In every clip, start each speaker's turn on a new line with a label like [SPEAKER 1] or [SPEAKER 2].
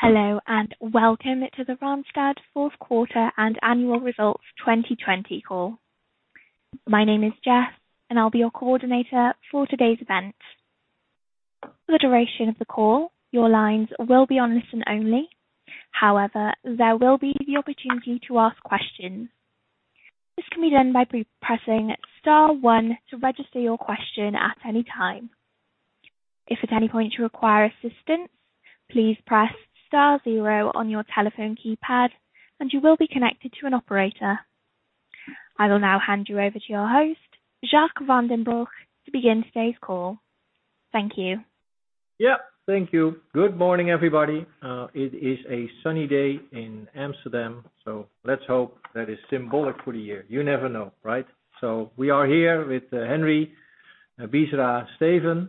[SPEAKER 1] Hello, welcome to the Randstad fourth quarter and annual results 2020 call. My name is Jess, and I'll be your coordinator for today's event. For the duration of the call, your lines will be on listen only. However, there will be the opportunity to ask questions. This can be done by pressing star one to register your question at any time. If at any point you require assistance, please press star zero on your telephone keypad, and you will be connected to an operator. I will now hand you over to your host, Jacques van den Broek, to begin today's call. Thank you.
[SPEAKER 2] Yeah, thank you. Good morning, everybody. It is a sunny day in Amsterdam, so let's hope that is symbolic for the year. You never know, right? We are here with Henry, Bisera, Steven,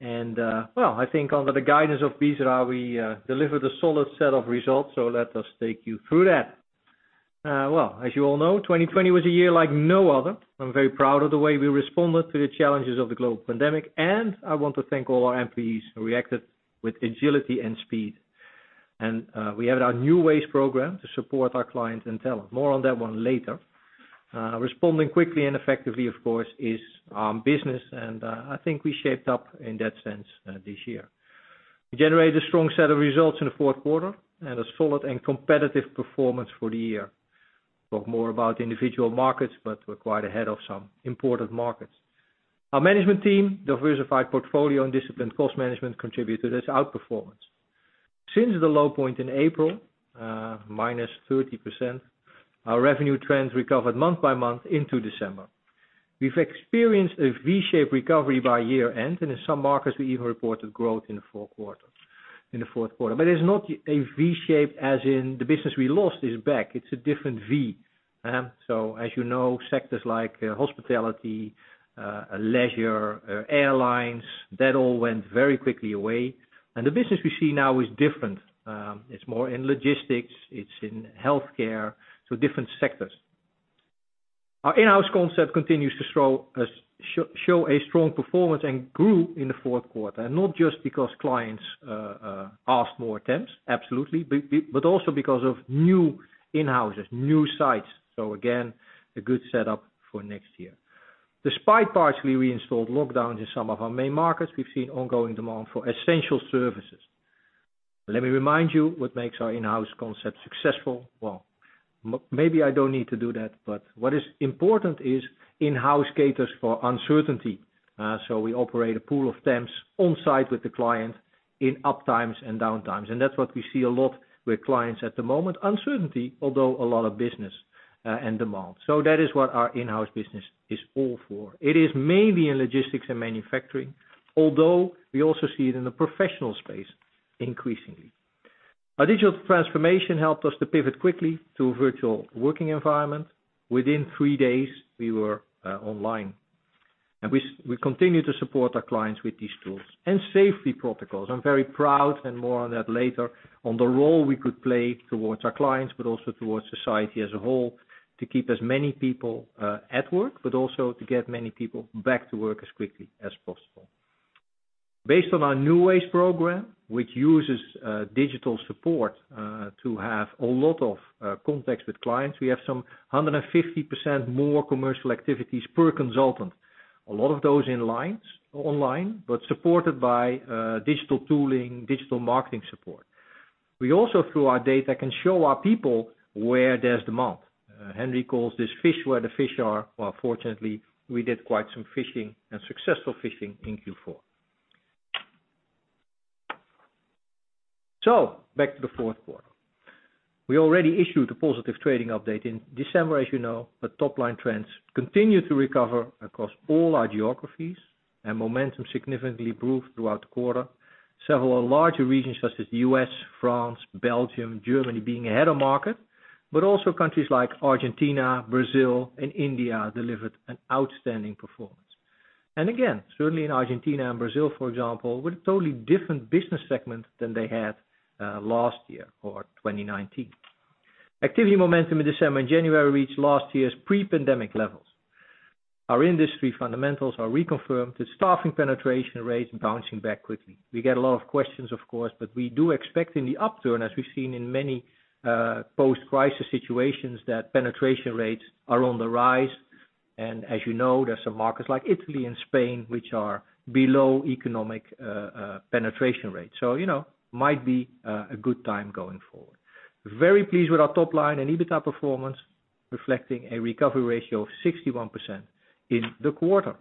[SPEAKER 2] and, well, I think under the guidance of Bisera, we delivered a solid set of results. Let us take you through that. Well, as you all know, 2020 was a year like no other. I'm very proud of the way we responded to the challenges of the global pandemic, and I want to thank all our employees who reacted with agility and speed. We had our New Ways program to support our clients and talent. More on that one later. Responding quickly and effectively, of course, is business and I think we shaped up in that sense this year. We generated a strong set of results in the fourth quarter and a solid and competitive performance for the year. Talk more about individual markets, we're quite ahead of some important markets. Our management team, diversified portfolio and disciplined cost management contribute to this outperformance. Since the low point in April, -30%, our revenue trends recovered month-by-month into December. We've experienced a V-shaped recovery by year-end, in some markets, we even reported growth in the fourth quarter. It's not a V-shape as in the business we lost is back. It's a different V. As you know, sectors like hospitality, leisure, airlines, that all went very quickly away. The business we see now is different. It's more in logistics, it's in healthcare, different sectors. Our Inhouse concept continues to show a strong performance and grew in the fourth quarter, not just because clients ask more temps, absolutely, but also because of new Inhouses, new sites. Again, a good setup for next year. Despite partially reinstalled lockdowns in some of our main markets, we've seen ongoing demand for essential services. Let me remind you what makes our Inhouse concept successful. Well, maybe I don't need to do that, but what is important is Inhouse caters for uncertainty. We operate a pool of temps on-site with the client in up times and down times. That's what we see a lot with clients at the moment, uncertainty, although a lot of business and demand. That is what our Inhouse business is all for. It is mainly in logistics and manufacturing, although we also see it in the professional space increasingly. Our digital transformation helped us to pivot quickly to a virtual working environment. Within three days we were online. We continue to support our clients with these tools and safety protocols. I'm very proud, and more on that later, on the role we could play towards our clients, but also towards society as a whole, to keep as many people at work, but also to get many people back to work as quickly as possible. Based on our New Ways program, which uses digital support to have a lot of contacts with clients, we have some 150% more commercial activities per consultant. A lot of those online, but supported by digital tooling, digital marketing support. We also, through our data, can show our people where there's demand. Henry calls this fish where the fish are. Well, fortunately, we did quite some fishing and successful fishing in Q4. Back to the fourth quarter. We already issued a positive trading update in December, as you know, but top-line trends continued to recover across all our geographies, and momentum significantly improved throughout the quarter. Several larger regions such as the U.S., France, Belgium, Germany being ahead of market, but also countries like Argentina, Brazil, and India delivered an outstanding performance. Again, certainly in Argentina and Brazil, for example, with a totally different business segment than they had last year or 2019. Activity momentum in December and January reached last year's pre-pandemic levels. Our industry fundamentals are reconfirmed to staffing penetration rates bouncing back quickly. We get a lot of questions, of course, but we do expect in the upturn, as we've seen in many post-crisis situations, that penetration rates are on the rise. As you know, there's some markets like Italy and Spain which are below economic penetration rates. Might be a good time going forward. Very pleased with our top line and EBITDA performance, reflecting a recovery ratio of 61% in the quarter.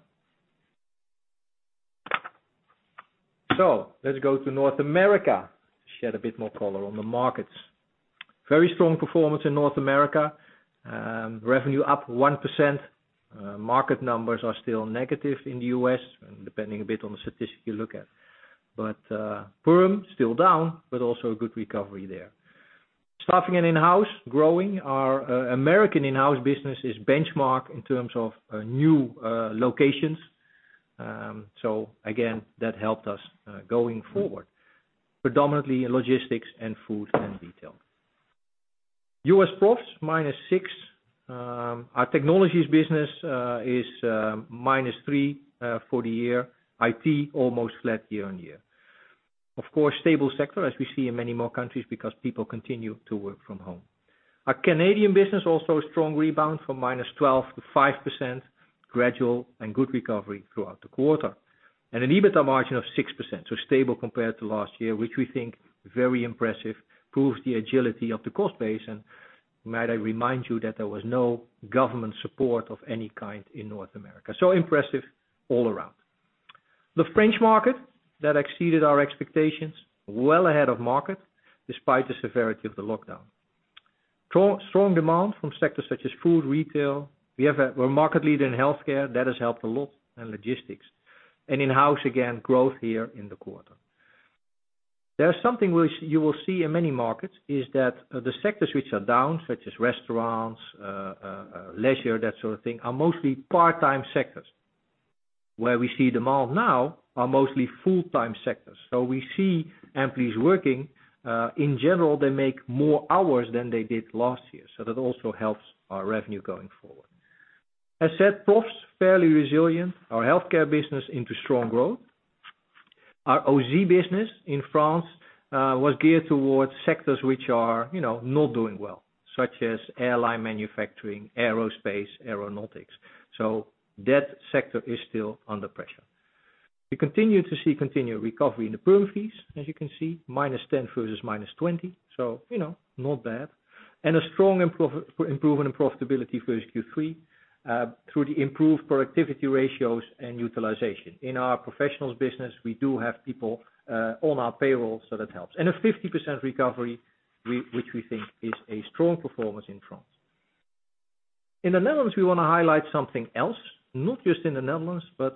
[SPEAKER 2] Let's go to North America. Shed a bit more color on the markets. Very strong performance in North America. Revenue up 1%. Market numbers are still negative in the U.S., depending a bit on the statistic you look at. Perm still down, but also a good recovery there. Staffing and Inhouse growing. Our American Inhouse business is benchmark in terms of new locations, again, that helped us going forward, predominantly in logistics and food and retail. U.S. Profs, -6%. Our technologies business is -3% for the year, IT almost flat year-on-year. Of course, stable sector as we see in many more countries because people continue to work from home. Our Canadian business also strong rebound from -12% to 5%, gradual and good recovery throughout the quarter. An EBITDA margin of 6%, so stable compared to last year, which we think very impressive, proves the agility of the cost base, and might I remind you that there was no government support of any kind in North America. Impressive all around. The French market, that exceeded our expectations, well ahead of market despite the severity of the lockdown. Strong demand from sectors such as food, retail. We're a market leader in healthcare, that has helped a lot, and logistics. Inhouse, again, growth here in the quarter. There is something which you will see in many markets, is that the sectors which are down, such as restaurants, leisure, that sort of thing, are mostly part-time sectors. Where we see demand now are mostly full-time sectors. We see employees working. In general, they make more hours than they did last year, so that also helps our revenue going forward. As said, Profs, fairly resilient. Our healthcare business into strong growth. Our AUSY business in France was geared towards sectors which are not doing well, such as airline manufacturing, aerospace, aeronautics. That sector is still under pressure. We continue to see continued recovery in the perm fees, as you can see, -10% versus -20%. Not bad. A strong improvement in profitability versus Q3 through the improved productivity ratios and utilization. In our professionals business, we do have people on our payroll, so that helps. A 50% recovery, which we think is a strong performance in France. In the Netherlands, we want to highlight something else, not just in the Netherlands. It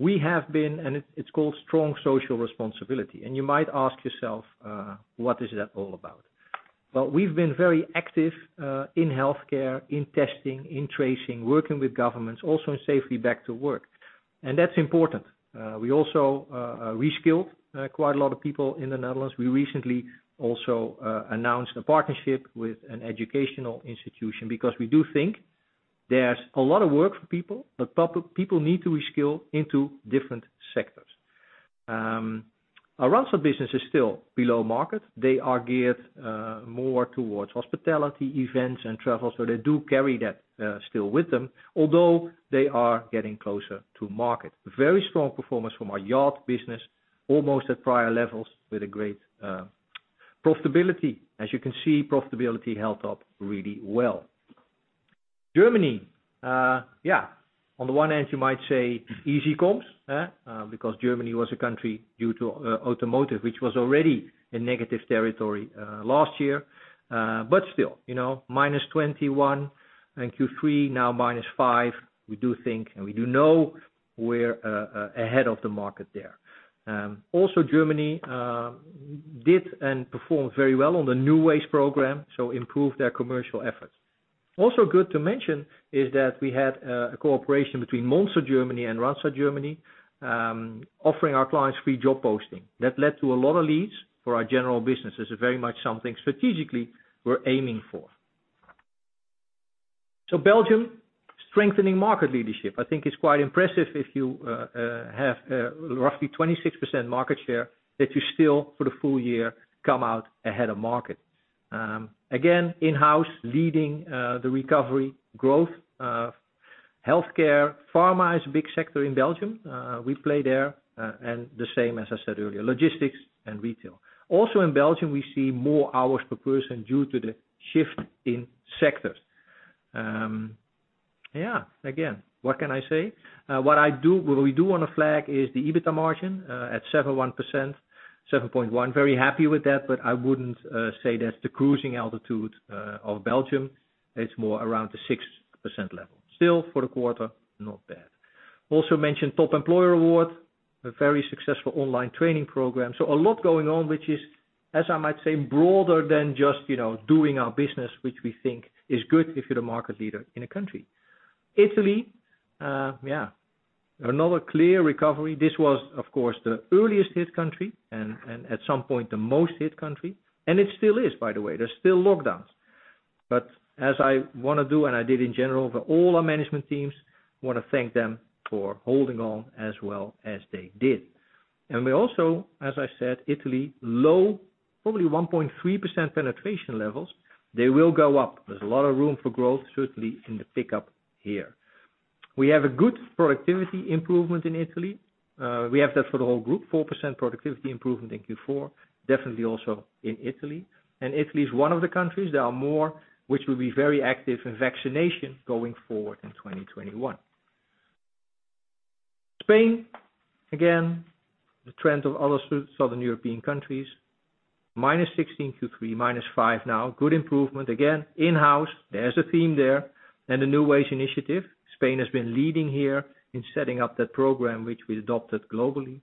[SPEAKER 2] is called strong social responsibility. You might ask yourself, what is that all about? Well, we've been very active, in healthcare, in testing, in tracing, working with governments, also in safely back to work. That is important. We also reskilled quite a lot of people in the Netherlands. We recently also announced a partnership with an educational institution because we do think there's a lot of work for people, but people need to reskill into different sectors. Our Randstad business is still below market, they are geared more towards hospitality, events, and travel, so they do carry that still with them, although they are getting closer to market. Very strong performance from our Yacht business, almost at prior levels with a great profitability. As you can see, profitability held up really well. Germany. On the one hand, you might say easy comes, because Germany was a country due to automotive, which was already in negative territory last year. Still, -21% in Q3, now -5%. We do think and we do know we're ahead of the market there. Germany did and performed very well on the New Ways program, so improved their commercial efforts. Good to mention is that we had a cooperation between Monster Germany and Randstad Germany, offering our clients free job posting. That led to a lot of leads for our general business, it's very much something strategically we're aiming for. Belgium, strengthening market leadership. I think it's quite impressive if you have roughly 26% market share, that you still, for the full year, come out ahead of market. Again, Inhouse leading the recovery growth. Healthcare, pharma is a big sector in Belgium. We play there, and the same as I said earlier, logistics and retail. In Belgium, we see more hours per person due to the shift in sectors. Again, what can I say? What we do want to flag is the EBITDA margin at 7.1%. Very happy with that, but I wouldn't say that's the cruising altitude of Belgium. It's more around the 6% level. Still, for the quarter, not bad. Mentioned Top Employer award, a very successful online training program. A lot going on, which is, as I might say, broader than just doing our business, which we think is good if you're the market leader in a country. Italy. Another clear recovery. This was, of course, the earliest hit country and, at some point, the most hit country. It still is, by the way. There's still lockdowns. As I want to do, and I did in general for all our management teams, want to thank them for holding on as well as they did. We also, as I said, Italy, low, probably 1.3% penetration levels. They will go up. There's a lot of room for growth, certainly in the pickup here. We have a good productivity improvement in Italy. We have that for the whole group, 4% productivity improvement in Q4, definitely also in Italy. Italy is one of the countries, there are more, which will be very active in vaccination going forward in 2021. Spain, again, the trend of other Southern European countries. -16% Q3, -5% now. Good improvement. Again, Inhouse, there's a theme there. The New Ways initiative, Spain has been leading here in setting up that program, which we adopted globally.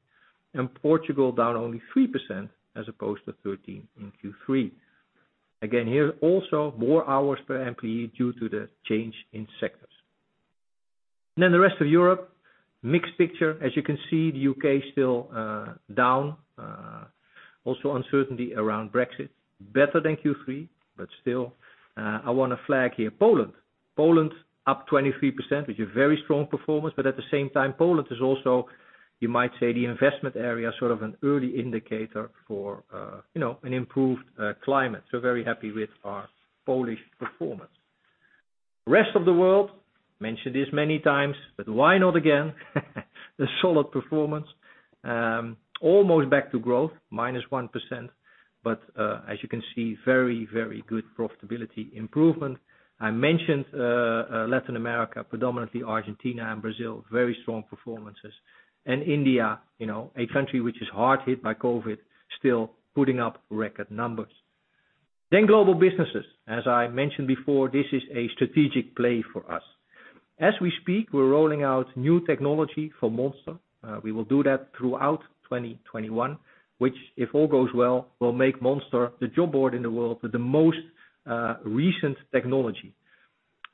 [SPEAKER 2] Portugal down only 3% as opposed to 13%in Q3. Again, here, also more hours per employee due to the change in sectors. The rest of Europe, mixed picture. As you can see, the U.K. is still down. Also uncertainty around Brexit. Better than Q3, but still. I want to flag here Poland. Poland up 23%, which is a very strong performance. At the same time, Poland is also, you might say, the investment area, sort of an early indicator for an improved climate. Very happy with our Polish performance. Rest of the world, mentioned this many times, but why not again? A solid performance. Almost back to growth, -1%. As you can see, very good profitability improvement. I mentioned Latin America, predominantly Argentina and Brazil, very strong performances. India, a country which is hard hit by COVID, still putting up record numbers. Global businesses. As I mentioned before, this is a strategic play for us. As we speak, we're rolling out new technology for Monster. We will do that throughout 2021, which, if all goes well, will make Monster the job board in the world with the most recent technology.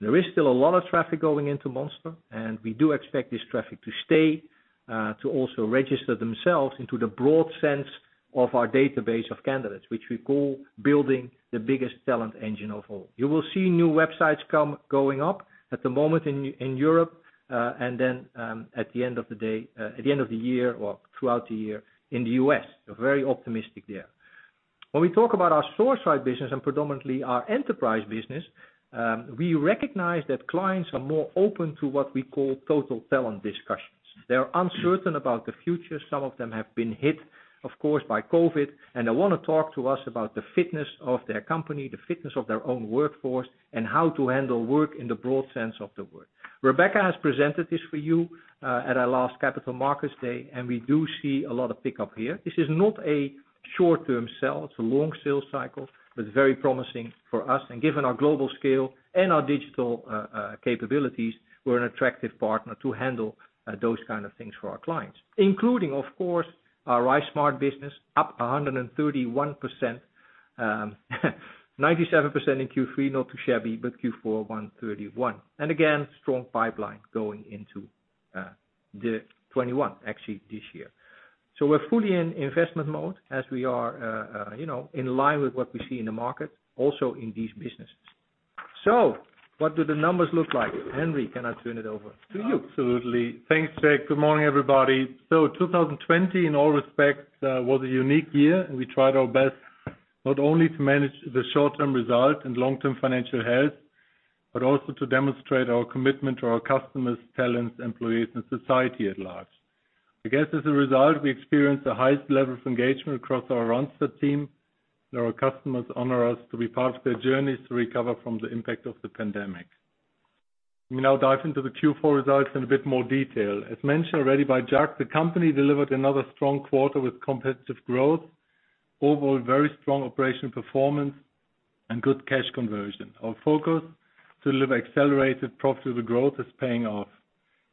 [SPEAKER 2] There is still a lot of traffic going into Monster, and we do expect this traffic to stay, to also register themselves into the broad sense of our database of candidates, which we call building the biggest talent engine of all. You will see new websites going up at the moment in Europe, and then, at the end of the year or throughout the year in the U.S. We're very optimistic there. When we talk about our Sourceright business and predominantly our enterprise business, we recognize that clients are more open to what we call total talent discussions. They are uncertain about the future. Some of them have been hit, of course, by COVID, and they want to talk to us about the fitness of their company, the fitness of their own workforce, and how to handle work in the broad sense of the word. Rebecca has presented this for you at our last Capital Markets Day, and we do see a lot of pickup here. This is not a short-term sell, it's a long sales cycle, but very promising for us. Given our global scale and our digital capabilities, we're an attractive partner to handle those kind of things for our clients, including, of course, our RiseSmart business, up 131%. 97% in Q3, not too shabby, but Q4, 131%. Again, strong pipeline going into 2021, actually this year. We're fully in investment mode as we are in line with what we see in the market, also in these businesses. What do the numbers look like? Henry, can I turn it over to you?
[SPEAKER 3] Absolutely. Thanks, Jacques. Good morning, everybody. 2020, in all respects, was a unique year, and we tried our best not only to manage the short-term result and long-term financial health, but also to demonstrate our commitment to our customers, talents, employees, and society at large. I guess as a result, we experienced the highest level of engagement across our Randstad team, and our customers honor us to be part of their journeys to recover from the impact of the pandemic. Let me now dive into the Q4 results in a bit more detail. As mentioned already by Jacques, the company delivered another strong quarter with competitive growth, overall very strong operational performance, and good cash conversion. Our focus to deliver accelerated profitable growth is paying off.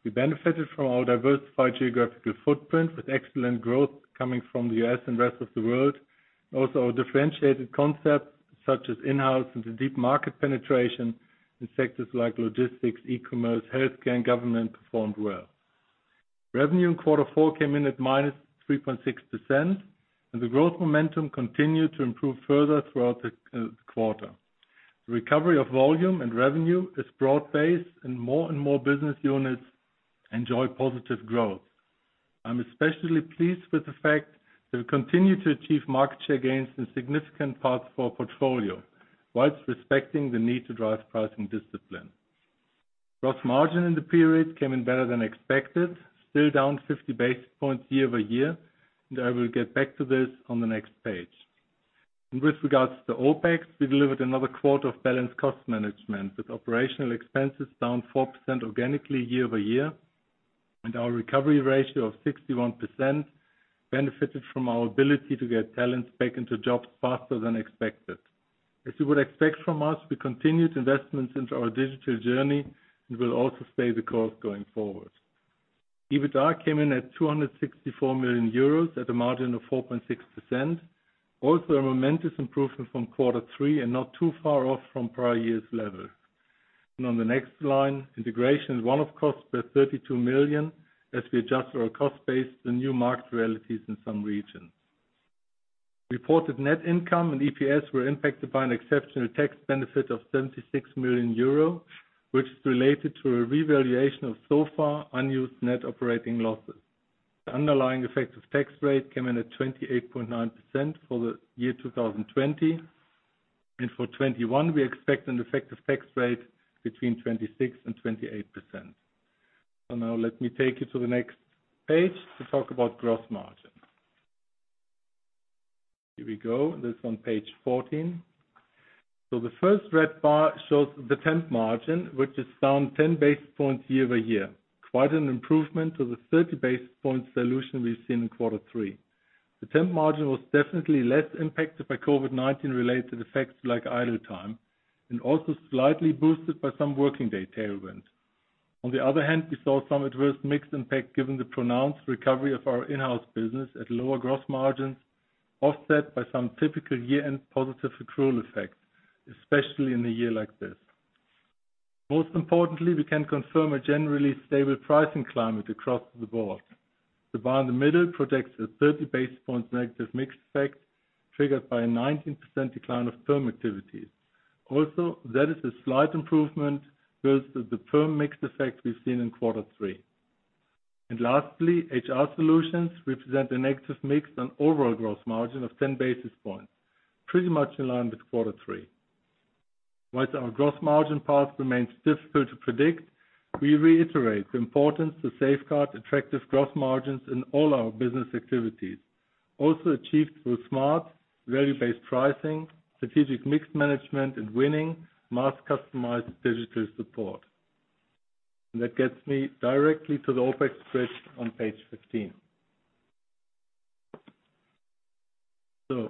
[SPEAKER 3] We benefited from our diversified geographical footprint with excellent growth coming from the U.S. and rest of the world. Also, our differentiated concepts such as Inhouse into deep market penetration in sectors like logistics, e-commerce, healthcare, and government performed well. Revenue in quarter four came in at -3.6%. The growth momentum continued to improve further throughout the quarter. The recovery of volume and revenue is broad-based and more and more business units enjoy positive growth. I'm especially pleased with the fact that we continue to achieve market share gains in significant parts of our portfolio while respecting the need to drive pricing discipline. Gross margin in the period came in better than expected, still down 50 basis points year-over-year. I will get back to this on the next page. With regards to OpEx, we delivered another quarter of balanced cost management with operational expenses down 4% organically year-over-year. Our recovery ratio of 61% benefited from our ability to get talent back into jobs faster than expected. As you would expect from us, we continued investments into our digital journey and will also stay the course going forward. EBITDA came in at 264 million euros at a margin of 4.6%. A momentous improvement from quarter three and not too far off from prior year's level. On the next line, integration one-off cost was 32 million as we adjust our cost base to new market realities in some regions. Reported net income and EPS were impacted by an exceptional tax benefit of 76 million euro, which is related to a revaluation of so far unused net operating losses. The underlying effective tax rate came in at 28.9% for the year 2020. For 2021, we expect an effective tax rate between 26% and 28%. Now let me take you to the next page to talk about gross margin. Here we go. This is on page 14. The first red bar shows the temp margin, which is down 10 basis points year-over-year. Quite an improvement to the 30 basis point dilution we've seen in quarter three. The temp margin was definitely less impacted by COVID-19 related effects like idle time, and also slightly boosted by some working day tailwind. On the other hand, we saw some adverse mix impact given the pronounced recovery of our Inhouse Services business at lower gross margins. Offset by some typical year-end positive accrual effects, especially in a year like this. Most importantly, we can confirm a generally stable pricing climate across the board. The bar in the middle reflects a 30 basis point negative mix effect triggered by a 19% decline of perm activities. That is a slight improvement versus the perm mix effect we've seen in quarter three. Lastly, HR solutions represent a negative mix on overall gross margin of 10 basis points, pretty much in line with quarter three. While our gross margin path remains difficult to predict, we reiterate the importance to safeguard attractive gross margins in all our business activities, also achieved through smart value-based pricing, strategic mix management, and winning mass customized digital support. That gets me directly to the OpEx bridge on page 15. As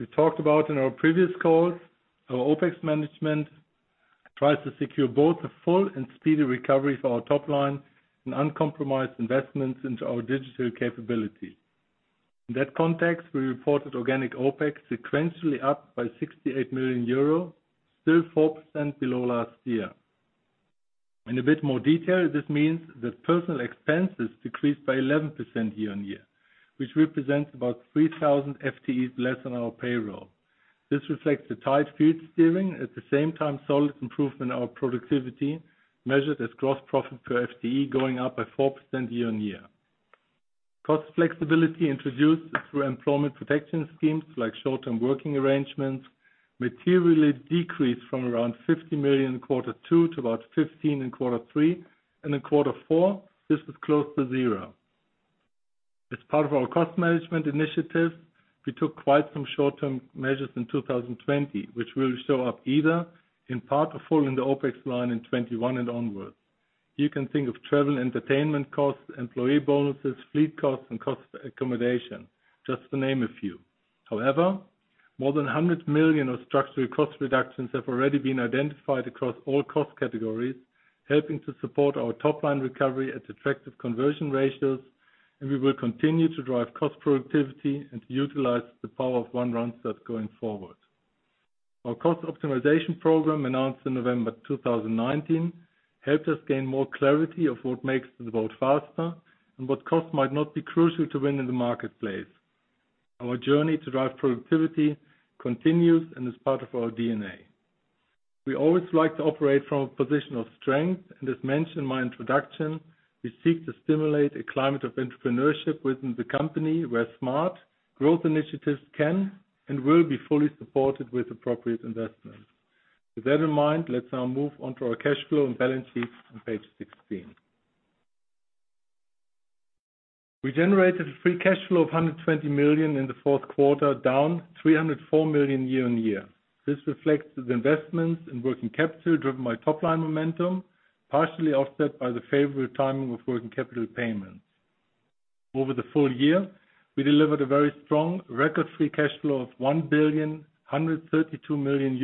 [SPEAKER 3] we talked about in our previous calls, our OpEx management tries to secure both the full and speedy recovery for our top line and uncompromised investments into our digital capability. In that context, we reported organic OpEx sequentially up by 68 million euro, still 4% below last year. In a bit more detail, this means that personnel expenses decreased by 11% year-on-year, which represents about 3,000 FTEs less on our payroll. This reflects the tight field steering, at the same time, solid improvement in our productivity measured as gross profit per FTE going up by 4% year-on-year. Cost flexibility introduced through employment protection schemes like short-term working arrangements materially decreased from around 50 million in quarter two to about 15 million in quarter three. In quarter four, this was close to zero. As part of our cost management initiatives, we took quite some short-term measures in 2020, which will show up either in part or full in the OpEx line in 2021 and onwards. You can think of travel entertainment costs, employee bonuses, fleet costs, and costs for accommodation, just to name a few. However, more than 100 million of structural cost reductions have already been identified across all cost categories, helping to support our top-line recovery at attractive conversion ratios, and we will continue to drive cost productivity and utilize the power of One Randstad going forward. Our cost optimization program announced in November 2019 helped us gain more clarity of what makes the boat faster and what cost might not be crucial to win in the marketplace. Our journey to drive productivity continues and is part of our DNA. We always like to operate from a position of strength, and as mentioned in my introduction, we seek to stimulate a climate of entrepreneurship within the company where smart growth initiatives can and will be fully supported with appropriate investment. With that in mind, let's now move on to our cash flow and balance sheet on page 16. We generated a free cash flow of 120 million in the fourth quarter, down 304 million year-on-year. This reflects the investments in working capital driven by top-line momentum, partially offset by the favorable timing of working capital payments. Over the full year, we delivered a very strong record free cash flow of 1.132 billion,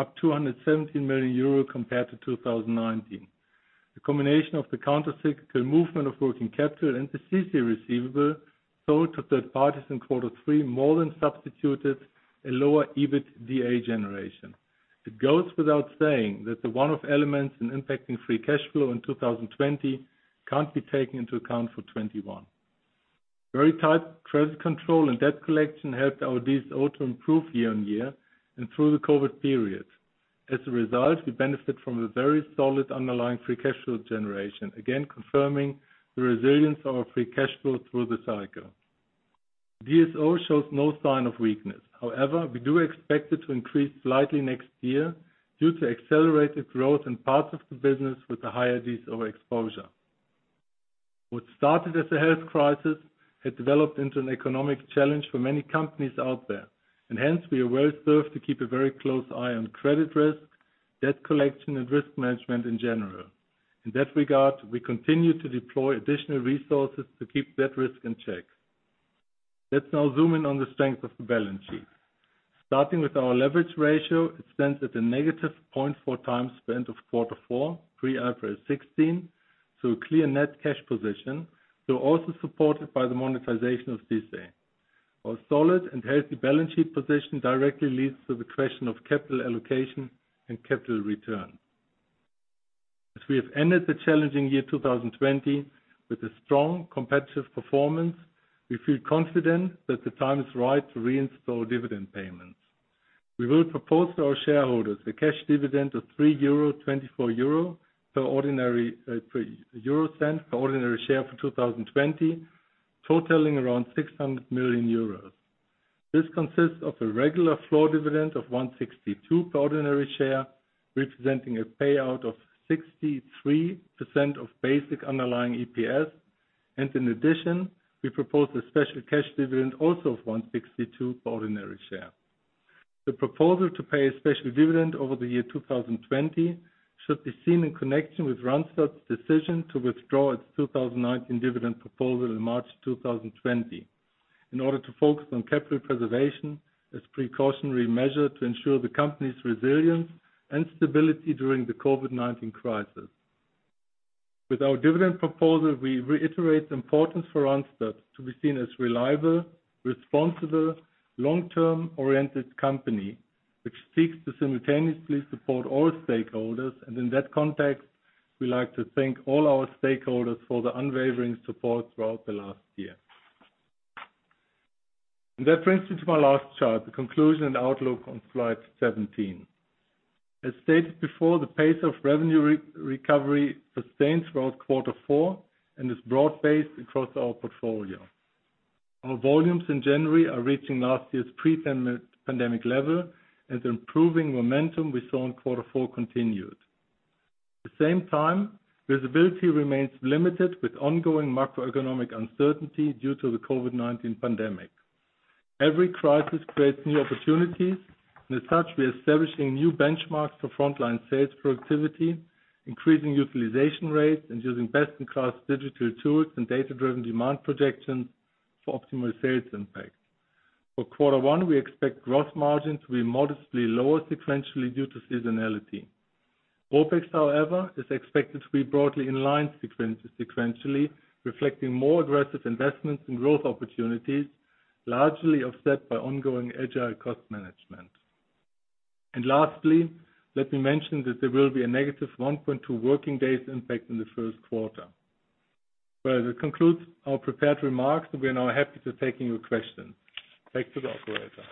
[SPEAKER 3] up to 117 million euro compared to 2019. The combination of the countercyclical movement of working capital and the CICE receivable sold to third parties in quarter three more than substituted a lower EBITDA generation. It goes without saying that the one-off elements impacting free cash flow in 2020 can't be taken into account for 2021. Very tight credit control and debt collection helped our DSO to improve year-on-year and through the COVID period. As a result, we benefit from a very solid underlying free cash flow generation, again confirming the resilience of our free cash flow through the cycle. DSO shows no sign of weakness. We do expect it to increase slightly next year due to accelerated growth in parts of the business with a higher DSO exposure. What started as a health crisis has developed into an economic challenge for many companies out there. We are well-served to keep a very close eye on credit risk, debt collection, and risk management in general. In that regard, we continue to deploy additional resources to keep that risk in check. Let's now zoom in on the strength of the balance sheet. Starting with our leverage ratio, it stands at a -0.4x as of quarter four, pre-IFRS 16. A clear net cash position, though also supported by the monetization of CC. Our solid and healthy balance sheet position directly leads to the question of capital allocation and capital return. As we have ended the challenging year 2020 with a strong competitive performance, we feel confident that the time is right to reinstall dividend payments. We will propose to our shareholders a cash dividend of 3.24 euro per ordinary share for 2020, totaling around 600 million euros. This consists of a regular floor dividend of 1.62 per ordinary share, representing a payout of 63% of basic underlying EPS. In addition, we propose a special cash dividend also of 1.62 per ordinary share. The proposal to pay a special dividend over the year 2020 should be seen in connection with Randstad's decision to withdraw its 2019 dividend proposal in March 2020 in order to focus on capital preservation as precautionary measure to ensure the company's resilience and stability during the COVID-19 crisis. With our dividend proposal, we reiterate the importance for Randstad to be seen as reliable, responsible, long-term oriented company, which seeks to simultaneously support all stakeholders. In that context, we'd like to thank all our stakeholders for the unwavering support throughout the last year. That brings me to my last chart, the conclusion and outlook on slide 17. As stated before, the pace of revenue recovery sustained throughout quarter four and is broad-based across our portfolio. Our volumes in January are reaching last year's pre-pandemic level and the improving momentum we saw in quarter four continued. At the same time, visibility remains limited with ongoing macroeconomic uncertainty due to the COVID-19 pandemic. Every crisis creates new opportunities, and as such, we are establishing new benchmarks for frontline sales productivity, increasing utilization rates, and using best-in-class digital tools and data-driven demand projections for optimal sales impact. For quarter one, we expect gross margin to be modestly lower sequentially due to seasonality. OpEx, however, is expected to be broadly in line sequentially, reflecting more aggressive investments in growth opportunities, largely offset by ongoing agile cost management. Lastly, let me mention that there will be a -1.2 working days impact in the first quarter. Well, that concludes our prepared remarks. We are now happy to take any questions. Back to the operator.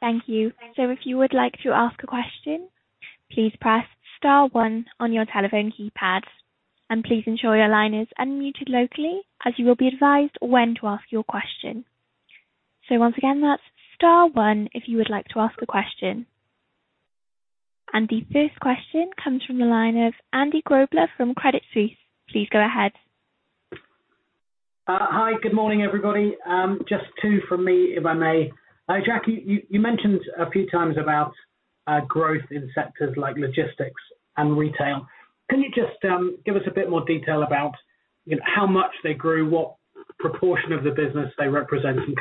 [SPEAKER 1] Thank you. If you would like to ask a question, please press star one on your telephone keypad. Please ensure your line is unmuted locally, as you will be advised when to ask your question. Once again, that's star one if you would like to ask a question. The first question comes from the line of Andy Grobler from Credit Suisse. Please go ahead.
[SPEAKER 4] Hi, good morning, everybody. Just two from me, if I may. Jacques, you mentioned a few times about growth in sectors like logistics and retail. Can you just give us a bit more detail about how much they grew, what proportion of the business they represent, and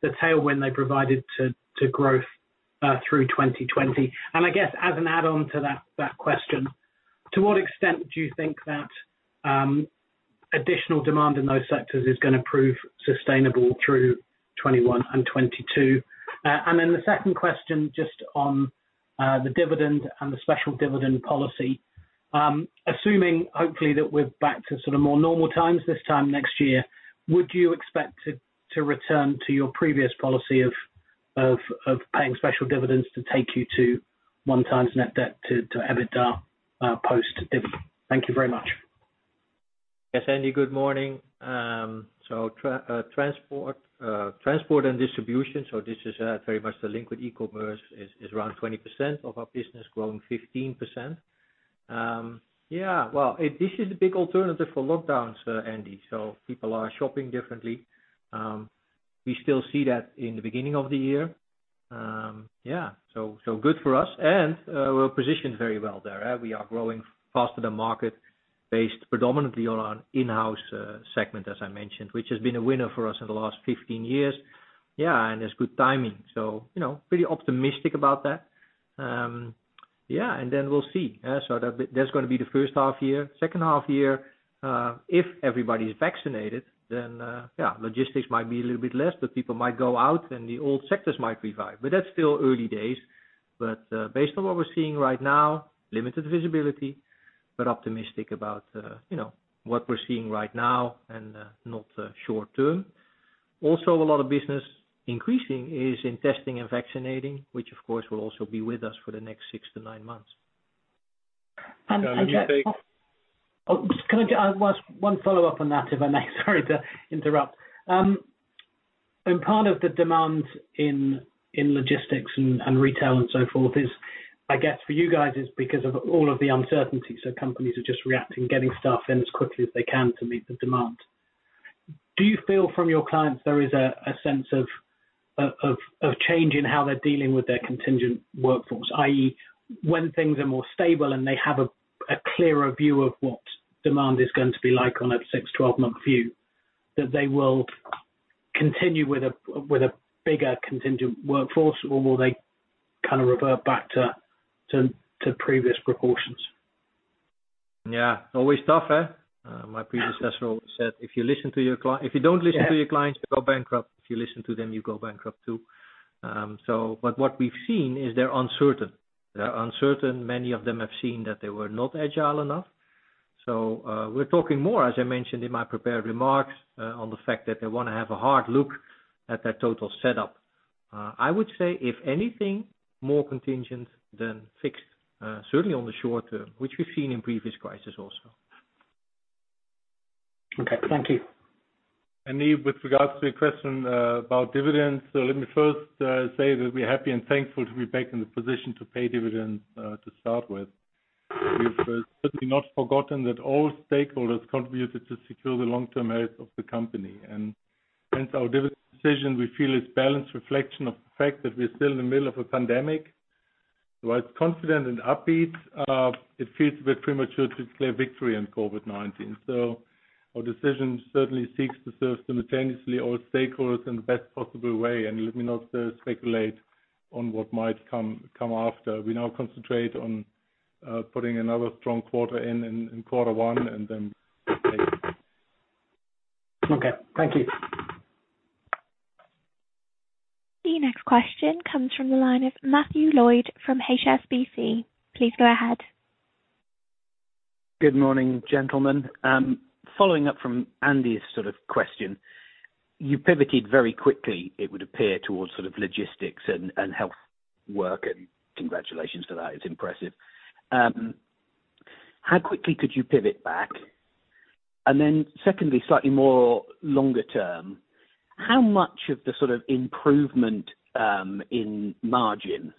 [SPEAKER 4] the tailwind they provided to growth through 2020? I guess as an add-on to that question, to what extent do you think that additional demand in those sectors is going to prove sustainable through 2021 and 2022? The second question just on the dividend and the special dividend policy. Assuming hopefully that we're back to more normal times this time next year, would you expect to return to your previous policy of paying special dividends to take you to 1x net debt to EBITDA, post-dividend? Thank you very much.
[SPEAKER 2] Andy, good morning. Transport and distribution, this is very much the link with e-commerce, is around 20% of our business, growing 15%. This is a big alternative for lockdowns, Andy. People are shopping differently. We still see that in the beginning of the year. Good for us. We're positioned very well there. We are growing faster than market based predominantly on our Inhouse segment, as I mentioned, which has been a winner for us in the last 15 years. It's good timing. Pretty optimistic about that. We'll see. That's going to be the first half year. Second half year, if everybody is vaccinated, logistics might be a little bit less, people might go out and the old sectors might revive, that's still early days. Based on what we're seeing right now, limited visibility, but optimistic about what we're seeing right now and not short term. A lot of business increasing is in testing and vaccinating, which of course will also be with us for the next six to nine months.
[SPEAKER 4] Jacques
[SPEAKER 3] Andy.
[SPEAKER 4] One follow-up on that, if I may. Sorry to interrupt. Part of the demand in logistics and retail and so forth is, I guess for you guys, is because of all of the uncertainty. Companies are just reacting, getting stuff in as quickly as they can to meet the demand. Do you feel from your clients there is a sense of change in how they're dealing with their contingent workforce, i.e., when things are more stable and they have a clearer view of what demand is going to be like on a 6-12 month view, that they will continue with a bigger contingent workforce, or will they revert back to previous proportions?
[SPEAKER 2] Yeah. Always tough, huh? My predecessor said, if you don't listen to your clients, you go bankrupt. If you listen to them, you go bankrupt, too. What we've seen is they're uncertain. They're uncertain. Many of them have seen that they were not agile enough. We're talking more, as I mentioned in my prepared remarks, on the fact that they want to have a hard look at their total setup. I would say, if anything, more contingent than fixed, certainly on the short term, which we've seen in previous crisis also.
[SPEAKER 4] Okay. Thank you.
[SPEAKER 3] Andy, with regards to your question about dividends, let me first say that we're happy and thankful to be back in the position to pay dividends to start with. We've certainly not forgotten that all stakeholders contributed to secure the long-term health of the company. Hence our dividend decision, we feel is balanced reflection of the fact that we're still in the middle of a pandemic. While it's confident and upbeat, it feels a bit premature to declare victory on COVID-19. Our decision certainly seeks to serve simultaneously all stakeholders in the best possible way. Let me not speculate on what might come after. We now concentrate on putting another strong quarter in quarter one, and then we'll take it.
[SPEAKER 4] Okay. Thank you.
[SPEAKER 1] The next question comes from the line of Matthew Lloyd from HSBC. Please go ahead.
[SPEAKER 5] Good morning, gentlemen. Following up from Andy's question, you pivoted very quickly, it would appear, towards logistics and health work, and congratulations for that, it's impressive. How quickly could you pivot back? Secondly, slightly more longer term, how much of the improvement in margin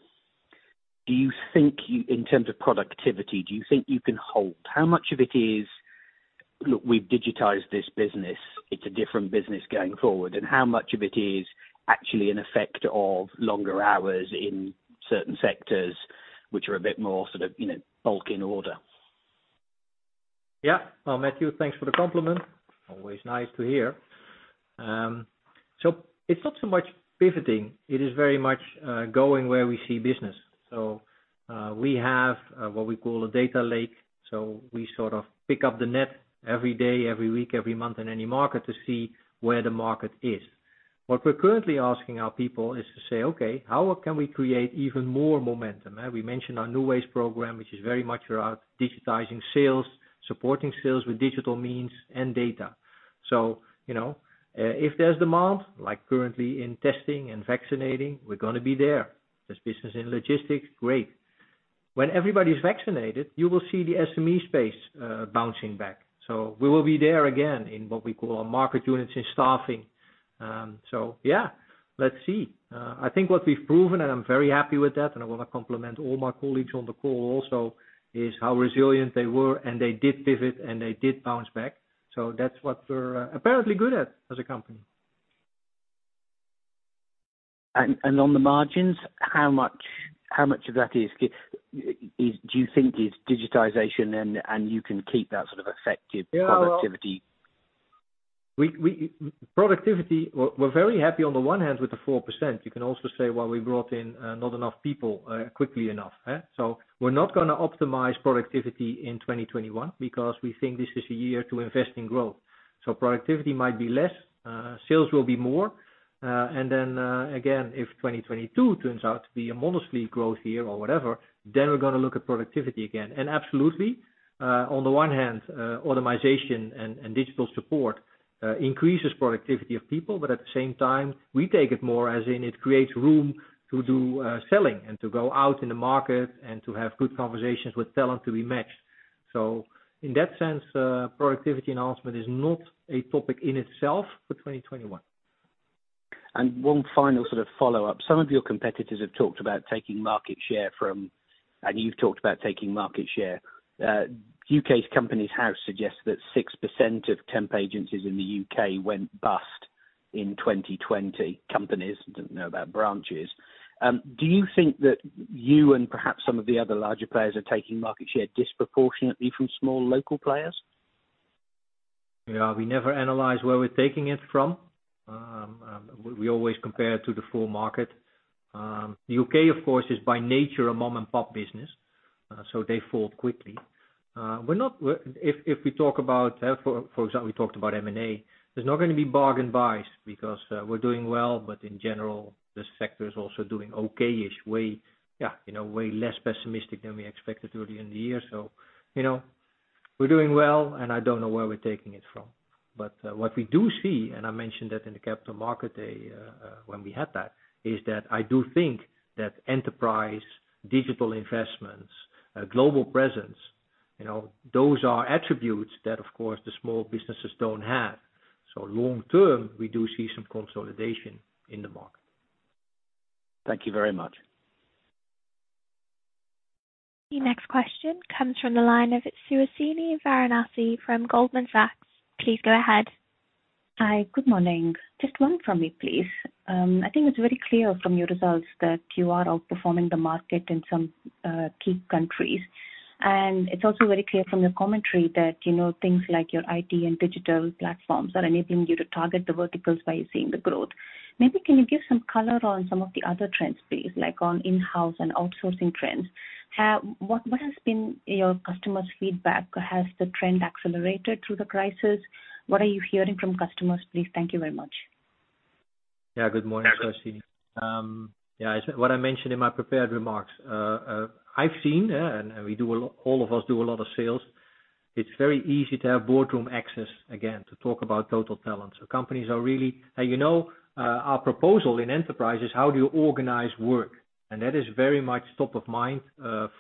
[SPEAKER 5] do you think, in terms of productivity, do you think you can hold? How much of it is, look, we've digitized this business. It's a different business going forward, and how much of it is actually an effect of longer hours in certain sectors which are a bit more bulk in order?
[SPEAKER 2] Well, Matthew, thanks for the compliment. Always nice to hear. It's not so much pivoting. It is very much going where we see business. We have what we call a data lake. We sort of pick up the net every day, every week, every month in any market to see where the market is. What we're currently asking our people is to say, okay, how can we create even more momentum? We mentioned our New Ways program, which is very much around digitizing sales, supporting sales with digital means and data. If there's demand, like currently in testing and vaccinating, we're going to be there. There's business in logistics, great. When everybody's vaccinated, you will see the SME space bouncing back. We will be there again in what we call our market units in staffing. Yeah, let's see. I think what we've proven, and I'm very happy with that, and I want to compliment all my colleagues on the call also, is how resilient they were, and they did pivot, and they did bounce back. That's what we're apparently good at as a company.
[SPEAKER 5] On the margins, how much of that do you think is digitization and you can keep that sort of effective productivity?
[SPEAKER 2] Productivity, we're very happy on the one hand with the 4%. You can also say, well, we brought in not enough people quickly enough. We're not going to optimize productivity in 2021 because we think this is a year to invest in growth. Productivity might be less, sales will be more. Again, if 2022 turns out to be a modestly growth year or whatever, then we're going to look at productivity again. Absolutely, on the one hand, automation and digital support increases productivity of people, but at the same time, we take it more as in it creates room to do selling and to go out in the market and to have good conversations with talent to be matched. In that sense, productivity enhancement is not a topic in itself for 2021.
[SPEAKER 5] One final follow-up. Some of your competitors have talked about taking market share. You've talked about taking market share. U.K.'s Companies House suggests that 6% of temp agencies in the U.K. went bust in 2020. Companies, don't know about branches. Do you think that you and perhaps some of the other larger players are taking market share disproportionately from small local players?
[SPEAKER 2] Yeah, we never analyze where we're taking it from. We always compare to the full market. The U.K., of course, is by nature a mom-and-pop business, so they fold quickly. If we talk about, for example, we talked about M&A, there's not going to be bargain buys because we're doing well, but in general, this sector is also doing okay-ish. Way less pessimistic than we expected early in the year. We're doing well, and I don't know where we're taking it from. What we do see, and I mentioned that in the Capital Markets Day when we had that, is that I do think that enterprise, digital investments, and global presence. Those are attributes that, of course, the small businesses don't have, so long term, we do see some consolidation in the market.
[SPEAKER 5] Thank you very much.
[SPEAKER 1] The next question comes from the line of Suhasini Varanasi from Goldman Sachs. Please go ahead.
[SPEAKER 6] Hi. Good morning. Just one from me, please. I think it's very clear from your results that you are outperforming the market in some key countries. It's also very clear from your commentary that things like your IT and digital platforms are enabling you to target the verticals where you're seeing the growth. Maybe can you give some color on some of the other trends, please, like on Inhouse and outsourcing trends? What has been your customers' feedback? Has the trend accelerated through the crisis? What are you hearing from customers, please? Thank you very much.
[SPEAKER 2] Yeah. Good morning, Suhasini. Yeah, what I mentioned in my prepared remarks, I've seen, and all of us do a lot of sales, it's very easy to have boardroom access again to talk about total talent. Our proposal in enterprise is how do you organize work? That is very much top of mind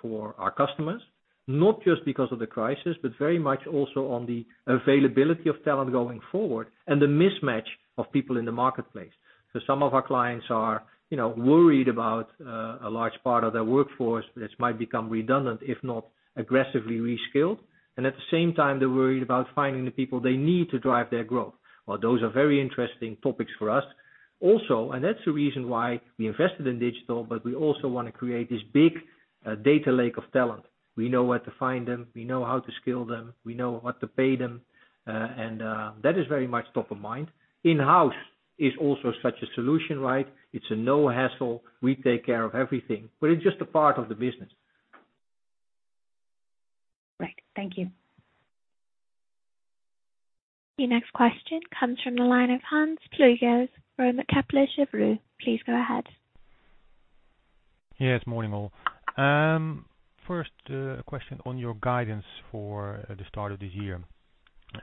[SPEAKER 2] for our customers, not just because of the crisis, but very much also on the availability of talent going forward and the mismatch of people in the marketplace. Some of our clients are worried about a large part of their workforce that might become redundant if not aggressively reskilled. At the same time, they're worried about finding the people they need to drive their growth. Well, those are very interesting topics for us. That's the reason why we invested in digital, we also want to create this big data lake of talent. We know where to find them, we know how to skill them, we know what to pay them. That is very much top of mind. Inhouse is also such a solution. It's a no-hassle. We take care of everything. It's just a part of the business.
[SPEAKER 6] Thank you.
[SPEAKER 1] Your next question comes from the line of Hans Pluijgers from Kepler Cheuvreux. Please go ahead.
[SPEAKER 7] Morning all. A question on your guidance for the start of this year.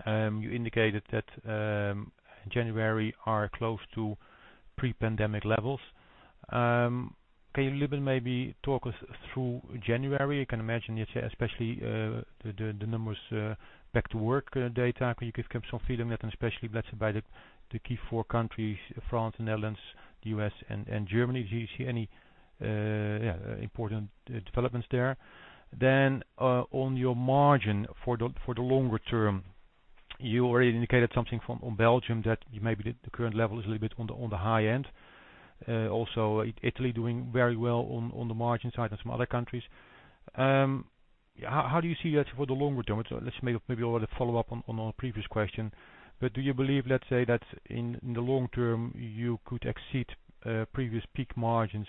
[SPEAKER 7] You indicated that January are close to pre-pandemic levels. Can you maybe talk us through January? I can imagine, especially the numbers back to work data. Can you give some feedback, especially by the key four countries, France, Netherlands, the U.S. and Germany, do you see any important developments there? On your margin for the longer term, you already indicated something from Belgium that maybe the current level is a little bit on the high end. Italy doing very well on the margin side and some other countries. How do you see that for the longer term? Let's maybe follow up on our previous question. Do you believe, let's say, that in the long term, you could exceed previous peak margins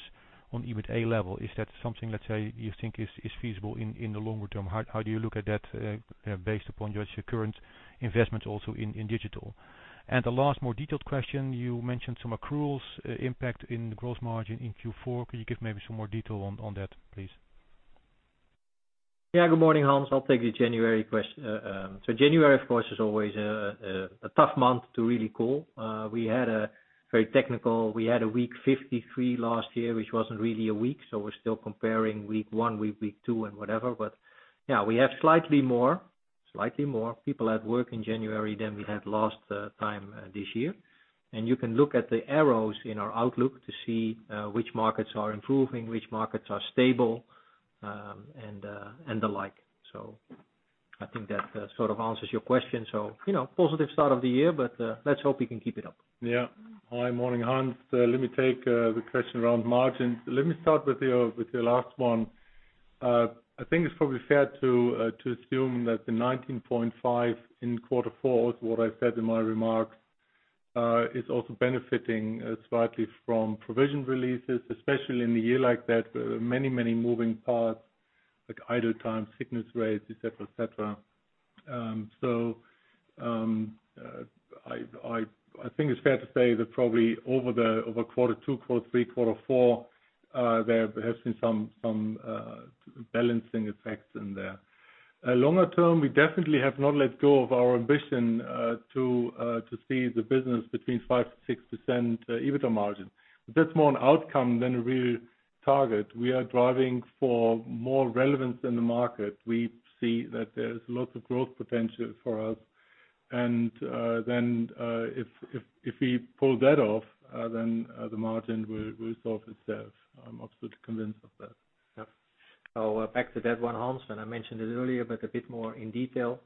[SPEAKER 7] on EBITDA level? Is that something, let's say, you think is feasible in the longer term? How do you look at that based upon your current investments also in digital? The last more detailed question, you mentioned some accruals impact in gross margin in Q4. Could you give maybe some more detail on that, please?
[SPEAKER 2] Yeah. Good morning, Hans. I'll take the January question. January, of course, is always a tough month to really call. We had a week 53 last year, which wasn't really a week, so we're still comparing week one, week two and whatever. Yeah, we have slightly more people at work in January than we had last time this year. You can look at the arrows in our outlook to see which markets are improving, which markets are stable, and the like. I think that sort of answers your question. Positive start of the year, but let's hope we can keep it up.
[SPEAKER 3] Yeah. Hi. Morning, Hans. Let me take the question around margin. Let me start with your last one. I think it's probably fair to assume that the 19.5% in quarter four, what I said in my remarks, is also benefiting slightly from provision releases, especially in a year like that, where there are many, many moving parts, like idle time, sickness rates, etc. I think it's fair to say that probably over quarter two, quarter three, quarter four, there have been some balancing effects in there. Longer term, we definitely have not let go of our ambition to see the business between 5%-6% EBITDA margin. That's more an outcome than a real target. We are driving for more relevance in the market. We see that there is lots of growth potential for us. If we pull that off, then the margin will solve itself. I'm also convinced of that.
[SPEAKER 2] Yep. Back to that one, Hans, and I mentioned it earlier, but a bit more in detail.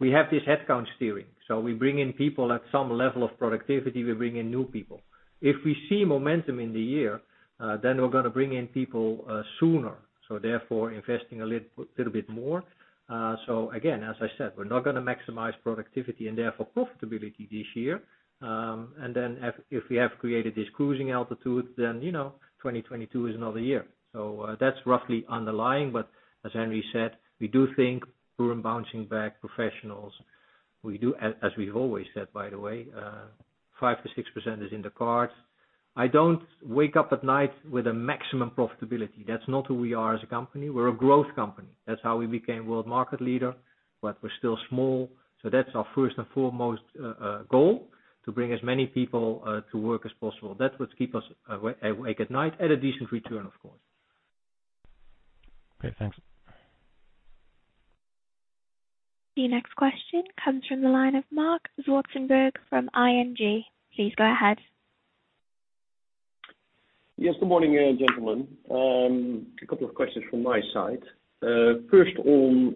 [SPEAKER 2] We have this headcount steering. We bring in people at some level of productivity, we bring in new people. If we see momentum in the year, then we're going to bring in people sooner, so therefore investing a little bit more. Again, as I said, we're not going to maximize productivity and therefore profitability this year. If we have created this cruising altitude, then 2022 is another year. That's roughly underlying. As Henry said, we do think we're bouncing back professionals. We do, as we've always said, by the way, 5%-6% is in the cards. I don't wake up at night with a maximum profitability. That's not who we are as a company. We're a growth company. That's how we became world market leader, but we're still small. That's our first and foremost goal, to bring as many people to work as possible. That's what keeps us awake at night, at a decent return, of course.
[SPEAKER 7] Okay, thanks.
[SPEAKER 1] The next question comes from the line of Marc Zwartsenburg from ING. Please go ahead.
[SPEAKER 8] Yes, good morning, gentlemen. A couple of questions from my side. First on,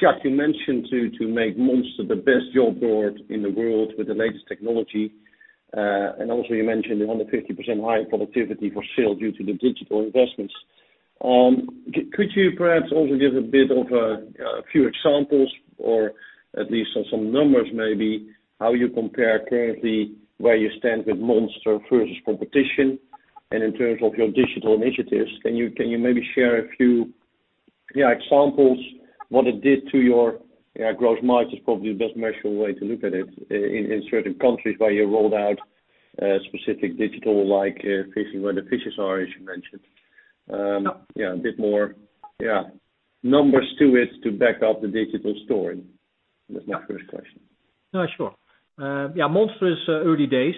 [SPEAKER 8] Jacques, you mentioned to make Monster the best job board in the world with the latest technology. You mentioned the 150% higher productivity for sale due to the digital investments. Could you perhaps also give a few examples or at least some numbers maybe, how you compare currently where you stand with Monster versus competition? Your digital initiatives, can you maybe share a few examples, what it did to your gross margins, probably the best natural way to look at it, in certain countries where you rolled out specific digital, like fishing where the fishes are, as you mentioned.
[SPEAKER 2] Yeah.
[SPEAKER 8] A bit more numbers to it to back up the digital story. That's my first question.
[SPEAKER 2] Monster is early days.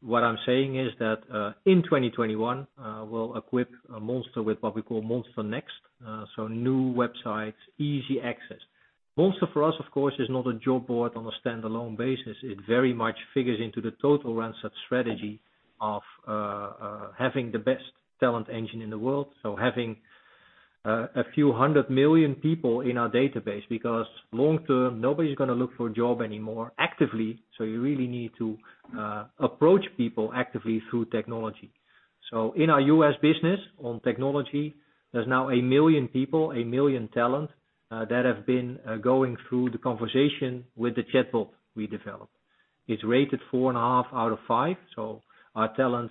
[SPEAKER 2] What I'm saying is that, in 2021, we'll equip Monster with what we call Monster Next. New websites, easy access. Monster for us, of course, is not a job board on a standalone basis. It very much figures into the total Randstad strategy of having the best talent engine in the world. Having a few hundred million people in our database, because long term, nobody's going to look for a job anymore actively. You really need to approach people actively through technology. In our U.S. business on technology, there's now 1 million people, 1 million talent, that have been going through the conversation with the chatbot we developed. It's rated 4.5 out of 5, our talent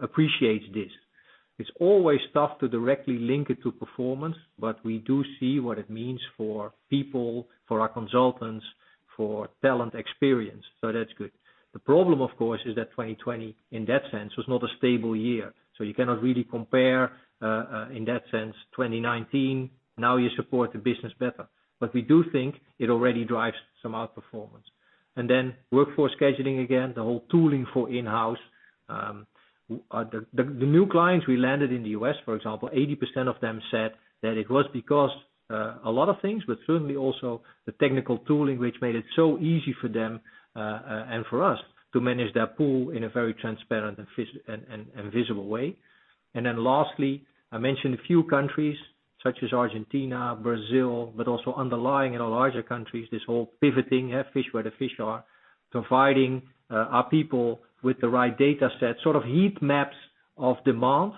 [SPEAKER 2] appreciates this. It's always tough to directly link it to performance, but we do see what it means for people, for our consultants, for talent experience. That's good. The problem, of course, is that 2020, in that sense, was not a stable year. You cannot really compare, in that sense, 2019. Now you support the business better. We do think it already drives some outperformance. Workforce scheduling, again, the whole tooling for Inhouse. The new clients we landed in the U.S., for example, 80% of them said that it was because a lot of things, but certainly also the technical tooling, which made it so easy for them and for us to manage that pool in a very transparent and visible way. Lastly, I mentioned a few countries such as Argentina, Brazil, but also underlying in larger countries, this whole pivoting, fish where the fish are, providing our people with the right data set, sort of heat maps of demand,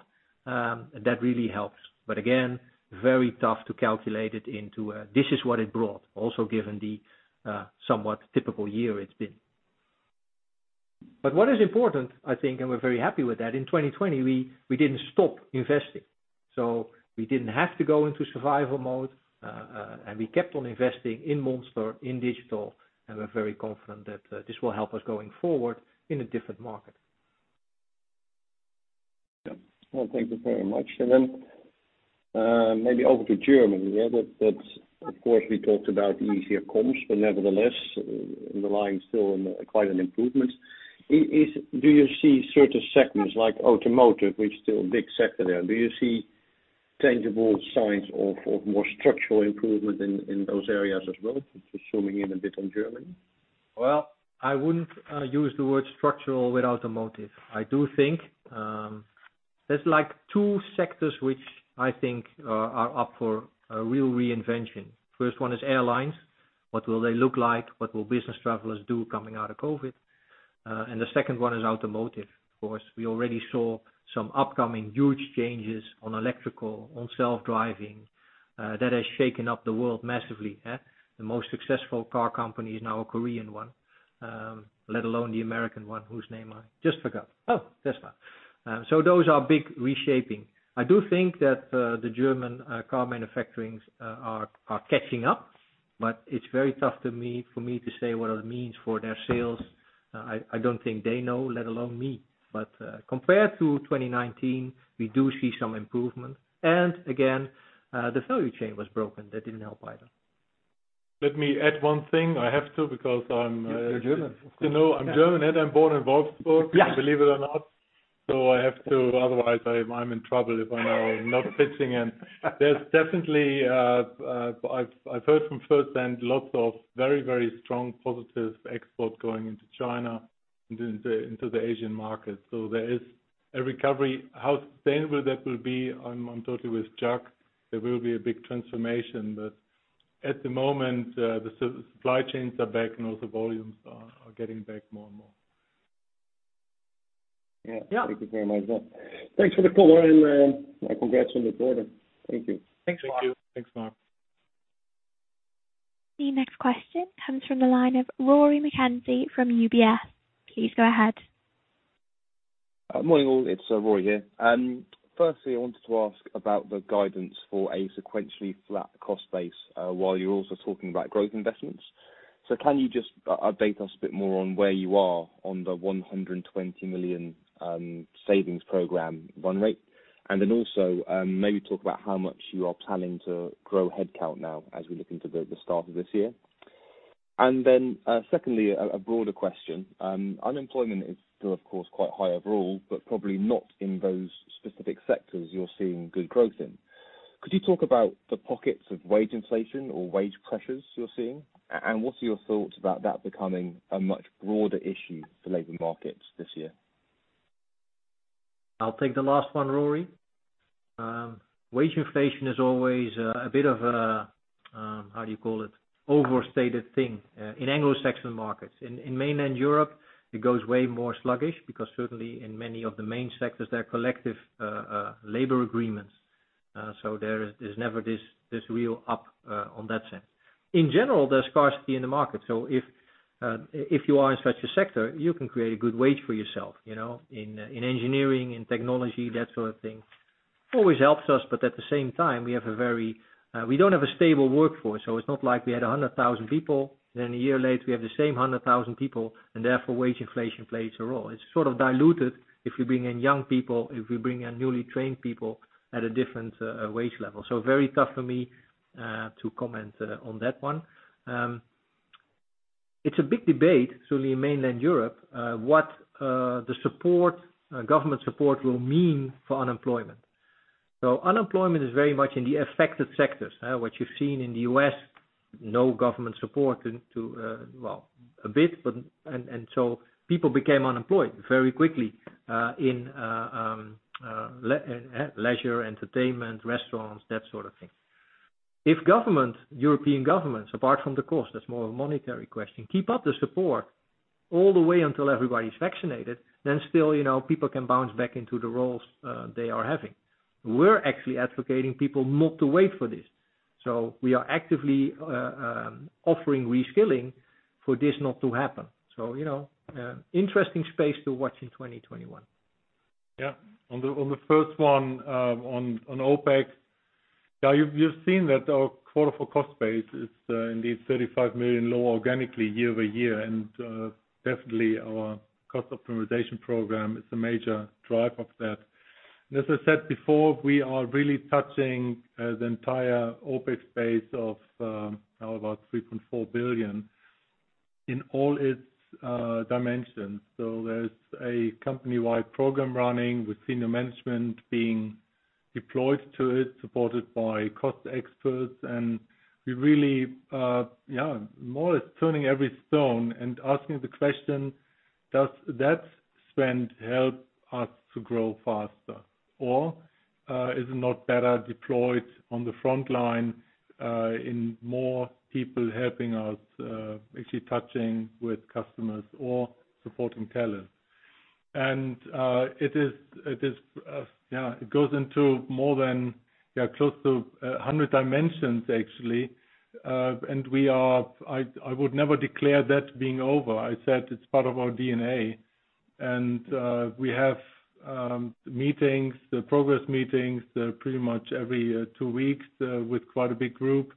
[SPEAKER 2] that really helps. Again, very tough to calculate it into a, this is what it brought. Also, given the somewhat typical year it's been. What is important, I think, and we're very happy with that, in 2020, we didn't stop investing. We didn't have to go into survival mode. We kept on investing in Monster, in digital, and we're very confident that this will help us going forward in a different market.
[SPEAKER 8] Yeah. Well, thank you very much. Maybe over to Germany, that of course, we talked about easier comps, but nevertheless, underlying still quite an improvement. Do you see certain segments like automotive, which is still a big sector there, do you see tangible signs of more structural improvement in those areas as well, just zooming in a bit on Germany?
[SPEAKER 2] Well, I wouldn't use the word structural with automotive. I do think there's two sectors which I think are up for a real reinvention. First one is airlines. What will they look like? What will business travelers do coming out of COVID-19? The second one is automotive. Of course, we already saw some upcoming huge changes on electrical, on self-driving, that has shaken up the world massively. The most successful car company is now a Korean one, let alone the American one, whose name I just forgot. Oh, Tesla. Those are big reshaping. I do think that the German car manufacturing are catching up, but it's very tough for me to say what it means for their sales. I don't think they know, let alone me. Compared to 2019, we do see some improvement. Again, the value chain was broken. That didn't help either.
[SPEAKER 3] Let me add one thing. I have to because I'm.
[SPEAKER 2] You're German, of course.
[SPEAKER 3] You know I'm German, and I'm born in Wolfsburg, believe it or not. I have to, otherwise I'm in trouble if I'm now not pitching in. There's definitely, I've heard from firsthand, lots of very, very strong positive exports going into China and into the Asian market. There is a recovery. How sustainable that will be, I'm totally with Jacques. There will be a big transformation. At the moment, the supply chains are back and also volumes are getting back more and more.
[SPEAKER 8] Yeah.
[SPEAKER 2] Yeah.
[SPEAKER 8] Thank you very much. Thanks for the color and congrats on the quarter. Thank you.
[SPEAKER 3] Thanks, Marc.
[SPEAKER 2] Thank you.
[SPEAKER 1] The next question comes from the line of Rory McKenzie from UBS. Please go ahead.
[SPEAKER 9] Morning, all. It's Rory here. Firstly, I wanted to ask about the guidance for a sequentially flat cost base, while you're also talking about growth investments. Can you just update us a bit more on where you are on the 120 million savings program run rate? Also, maybe talk about how much you are planning to grow headcount now as we look into the start of this year. Secondly, a broader question. Unemployment is still, of course, quite high overall, but probably not in those specific sectors you're seeing good growth in. Could you talk about the pockets of wage inflation or wage pressures you're seeing, and what are your thoughts about that becoming a much broader issue for labor markets this year?
[SPEAKER 2] I'll take the last one, Rory. Wage inflation is always a bit of a, how do you call it, overstated thing in Anglo-Saxon markets. In mainland Europe, it goes way more sluggish because certainly in many of the main sectors, there are collective labor agreements. There's never this real up on that sense. In general, there's scarcity in the market. If you are in such a sector, you can create a good wage for yourself, in engineering, in technology, that sort of thing. Always helps us, but at the same time, we don't have a stable workforce, so it's not like we had 100,000 people, then a year later we have the same 100,000 people, and therefore wage inflation plays a role. It's sort of diluted if we bring in young people, if we bring in newly trained people at a different wage level. Very tough for me to comment on that one. It's a big debate, certainly in mainland Europe, what the government support will mean for unemployment. Unemployment is very much in the affected sectors. What you've seen in the U.S., no government support, well, a bit. People became unemployed very quickly, in leisure, entertainment, restaurants, that sort of thing. If government, European governments, apart from the cost, that's more a monetary question, keep up the support all the way until everybody's vaccinated, then still people can bounce back into the roles they are having. We're actually advocating people not to wait for this. We are actively offering reskilling for this not to happen. Interesting space to watch in 2021.
[SPEAKER 3] On the first one, on OpEx, you've seen that our quarter for cost base is indeed 35 million low organically year-over-year. Definitely our cost optimization program is a major driver of that. As I said before, we are really touching the entire OpEx base of about 3.4 billion in all its dimensions. There's a company-wide program running with senior management being deployed to it, supported by cost experts. We really are more or less turning every stone and asking the question, does that spend help us to grow faster or is it not better deployed on the front line, in more people helping us, actually touching with customers or supporting talent? It goes into more than close to 100 dimensions, actually. I would never declare that being over. I said it's part of our DNA. We have progress meetings pretty much every two weeks with quite a big group.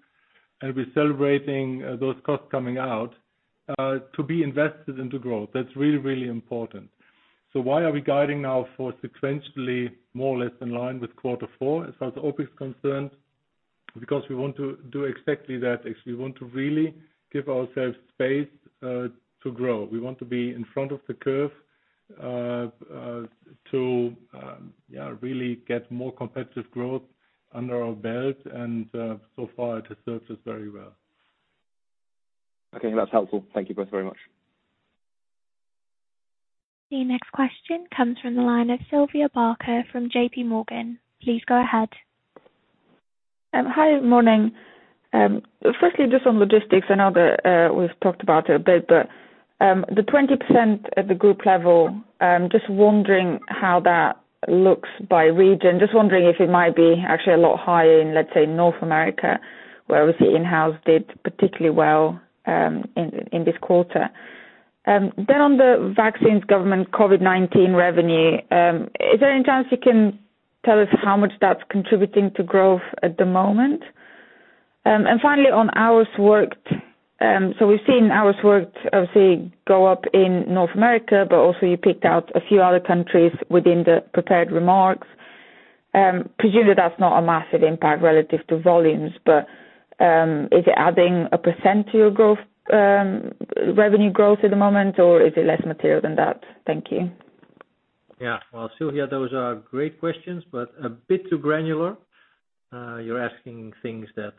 [SPEAKER 3] We're celebrating those costs coming out, to be invested into growth. That's really important. Why are we guiding now for sequentially more or less in line with quarter four, as far as OpEx is concerned? Because we want to do exactly that. We want to really give ourselves space to grow. We want to be in front of the curve, to really get more competitive growth under our belt. So far it has served us very well.
[SPEAKER 9] Okay. That's helpful. Thank you both very much.
[SPEAKER 1] The next question comes from the line of Sylvia Barker from JPMorgan. Please go ahead.
[SPEAKER 10] Hi, morning. Firstly, just on logistics. I know that we've talked about it a bit, but the 20% at the group level, just wondering how that looks by region. Just wondering if it might be actually a lot higher in, let's say, North America, where obviously Inhouse did particularly well in this quarter. On the vaccines government COVID-19 revenue, is there any chance you can tell us how much that's contributing to growth at the moment? Finally, on hours worked. We've seen hours worked obviously go up in North America, but also you picked out a few other countries within the prepared remarks. Presumably that's not a massive impact relative to volumes, but is it adding 1% to your revenue growth at the moment, or is it less material than that? Thank you.
[SPEAKER 2] Well, Sylvia, those are great questions, a bit too granular. You're asking things that,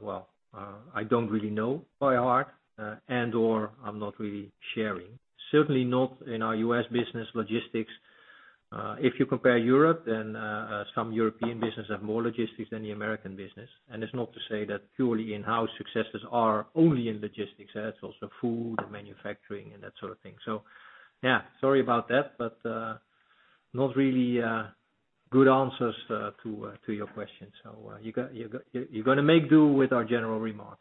[SPEAKER 2] well, I don't really know by heart, and/or I'm not really sharing. Certainly not in our U.S. business logistics. If you compare Europe, some European businesses have more logistics than the American business. It's not to say that purely Inhouse successes are only in logistics. It's also food and manufacturing and that sort of thing. Sorry about that, not really good answers to your question. You're going to make do with our general remarks.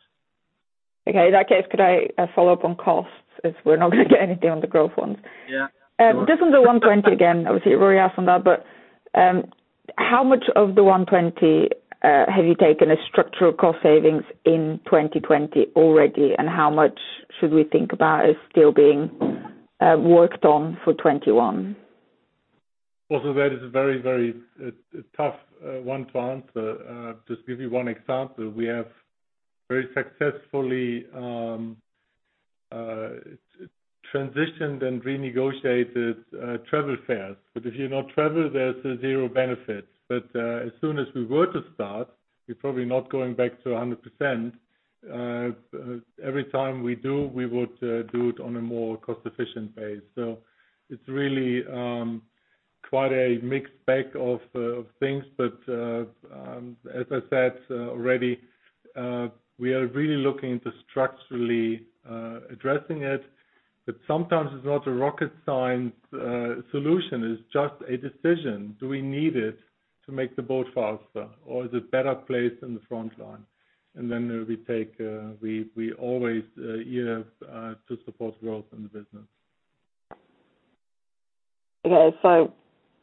[SPEAKER 10] Okay. In that case, could I follow up on costs, as we're not going to get anything on the growth ones?
[SPEAKER 2] Yeah.
[SPEAKER 10] Just on the 120 again, obviously Rory asked on that, but how much of the 120 have you taken as structural cost savings in 2020 already, and how much should we think about is still being worked on for 2021?
[SPEAKER 3] That is a very tough one to answer. Just give you one example, we have very successfully transitioned and renegotiated travel fares, but if you not travel, there's zero benefit. As soon as we were to start, we're probably not going back to 100%. Every time we do, we would do it on a more cost-efficient base. It's really quite a mixed bag of things. As I said already, we are really looking into structurally addressing it, but sometimes it's not a rocket science solution. It's just a decision. Do we need it to make the boat faster, or is it better placed in the front line? We always ear to support growth in the business.
[SPEAKER 10] Okay.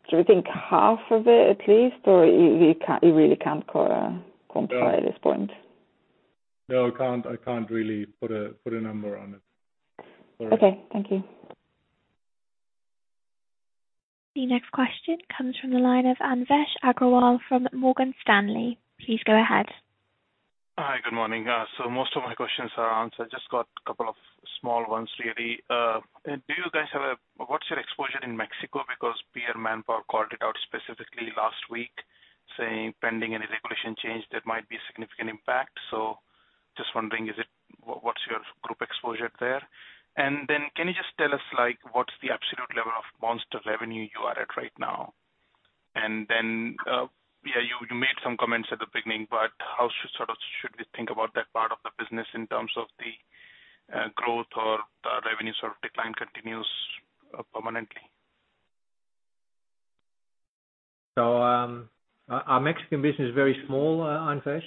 [SPEAKER 10] Should we think half of it at least, or you really can't quantify at this point?
[SPEAKER 3] No, I can't really put a number on it. Sorry.
[SPEAKER 10] Okay. Thank you.
[SPEAKER 1] The next question comes from the line of Anvesh Agrawal from Morgan Stanley. Please go ahead.
[SPEAKER 11] Hi. Good morning. Most of my questions are answered. Just got a couple of small ones really. What's your exposure in Mexico? Peer Manpower called it out specifically last week, saying pending any regulation change, there might be significant impact. Just wondering, what's your group exposure there? Can you just tell us what's the absolute level of Monster revenue you are at right now? Yeah, you made some comments at the beginning, but how should we think about that part of the business in terms of the growth or the revenue decline continues permanently?
[SPEAKER 2] Our Mexican business is very small, Anvesh.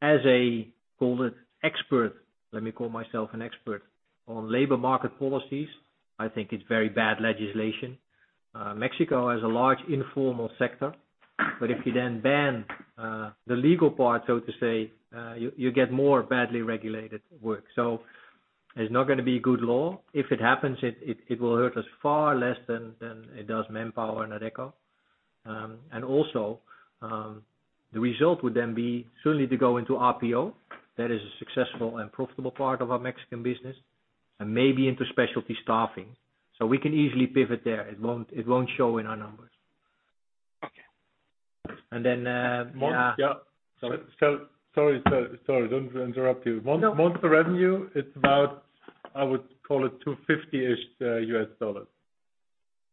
[SPEAKER 2] As a, call it expert, let me call myself an expert, on labor market policies, I think it's very bad legislation. Mexico has a large informal sector, if you then ban the legal part, so to say, you get more badly regulated work. It's not going to be a good law. If it happens, it will hurt us far less than it does Manpower and Adecco. Also, the result would then be certainly to go into RPO. That is a successful and profitable part of our Mexican business, and maybe into specialty staffing. We can easily pivot there. It won't show in our numbers.
[SPEAKER 11] Okay.
[SPEAKER 3] Yeah. Sorry. Sorry to interrupt you.
[SPEAKER 2] No.
[SPEAKER 3] Monster revenue, it's about, I would call it $250 million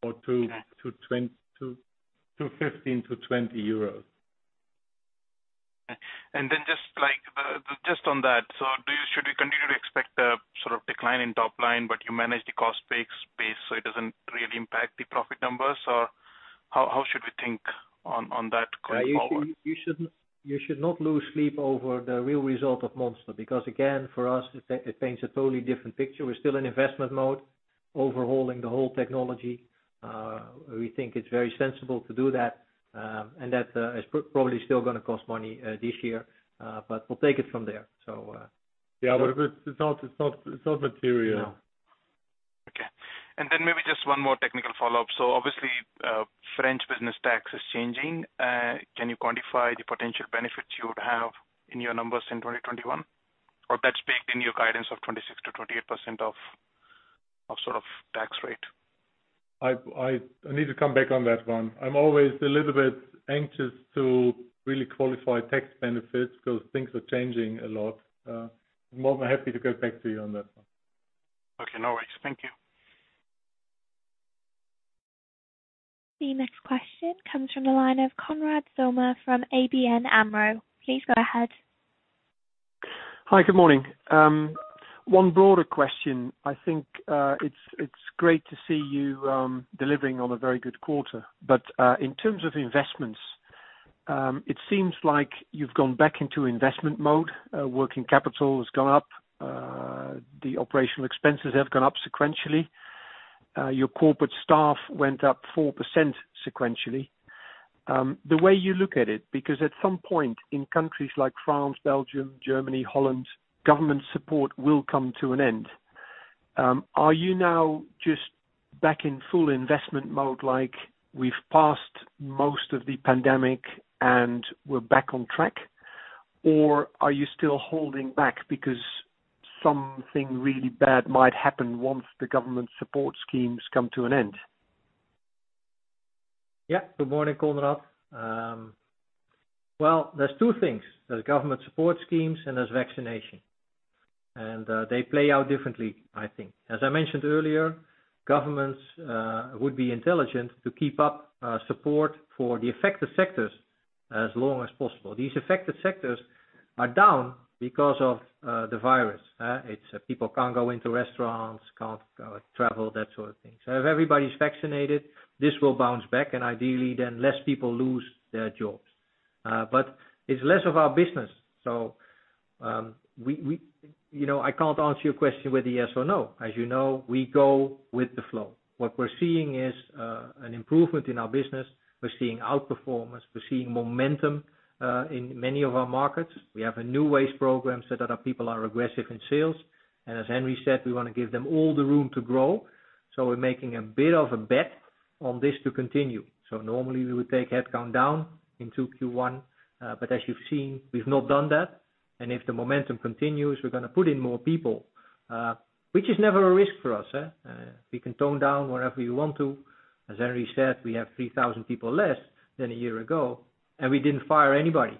[SPEAKER 3] or to 215 million-220 million euros.
[SPEAKER 11] Just on that. Should we continue to expect a sort of decline in top line, but you manage the cost base so it doesn't really impact the profit numbers? How should we think on that going forward?
[SPEAKER 2] You should not lose sleep over the real result of Monster. Again, for us, it paints a totally different picture. We're still in investment mode, overhauling the whole technology. We think it's very sensible to do that. That is probably still going to cost money this year. We'll take it from there.
[SPEAKER 3] Yeah, it's not material.
[SPEAKER 11] Okay. Then maybe just one more technical follow-up. Obviously, French business tax is changing. Can you quantify the potential benefits you would have in your numbers in 2021? Or that's baked in your guidance of 26%-28% of sort of tax rate?
[SPEAKER 3] I need to come back on that one. I'm always a little bit anxious to really qualify tax benefits because things are changing a lot. I'm more than happy to get back to you on that one.
[SPEAKER 11] Okay, no worries. Thank you.
[SPEAKER 1] The next question comes from the line of Konrad Zomer from ABN AMRO. Please go ahead.
[SPEAKER 12] Hi, good morning. One broader question. I think it's great to see you delivering on a very good quarter. In terms of investments, it seems like you've gone back into investment mode. Working capital has gone up. The operational expenses have gone up sequentially. Your corporate staff went up 4% sequentially. The way you look at it, because at some point in countries like France, Belgium, Germany, Holland, government support will come to an end. Are you now just back in full investment mode, like we've passed most of the pandemic and we're back on track? Are you still holding back because something really bad might happen once the government support schemes come to an end?
[SPEAKER 2] Good morning, Konrad. Well, there's two things. There's government support schemes, and there's vaccination. They play out differently, I think. As I mentioned earlier, governments would be intelligent to keep up support for the affected sectors as long as possible. These affected sectors are down because of the virus. People can't go into restaurants, can't travel, that sort of thing. If everybody's vaccinated, this will bounce back, and ideally then less people lose their jobs. It's less of our business. I can't answer your question with a yes or no. As you know, we go with the flow. What we're seeing is an improvement in our business. We're seeing outperformance. We're seeing momentum in many of our markets. We have a New Ways program so that our people are aggressive in sales. As Henry said, we want to give them all the room to grow. We're making a bit of a bet on this to continue. Normally we would take headcount down into Q1, but as you've seen, we've not done that. If the momentum continues, we're going to put in more people, which is never a risk for us. We can tone down whenever we want to. As Henry said, we have 3,000 people less than a year ago, and we didn't fire anybody.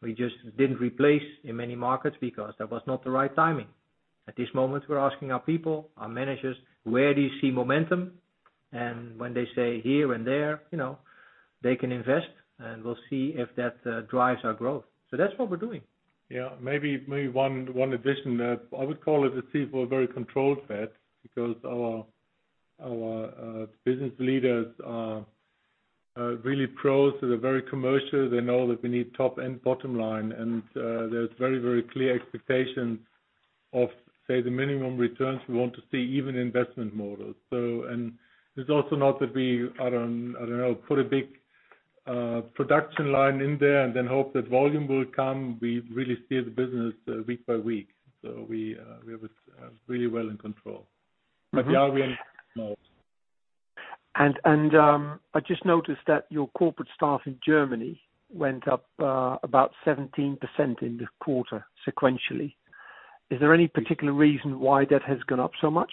[SPEAKER 2] We just didn't replace in many markets because that was not the right timing. At this moment, we're asking our people, our managers, where do you see momentum? When they say here and there, they can invest, and we'll see if that drives our growth. That's what we're doing.
[SPEAKER 3] Yeah, maybe one addition. I would call it in itself a very controlled bet because our business leaders are really pros. They're very commercial. They know that we need top and bottom line, there's very, very clear expectations of, say, the minimum returns we want to see, even investment models. It's also not that we, I don't know, put a big production line in there and then hope that volume will come. We really steer the business week by week. We have it really well in control. We are in investment mode.
[SPEAKER 12] I just noticed that your corporate staff in Germany went up about 17% in the quarter sequentially. Is there any particular reason why that has gone up so much?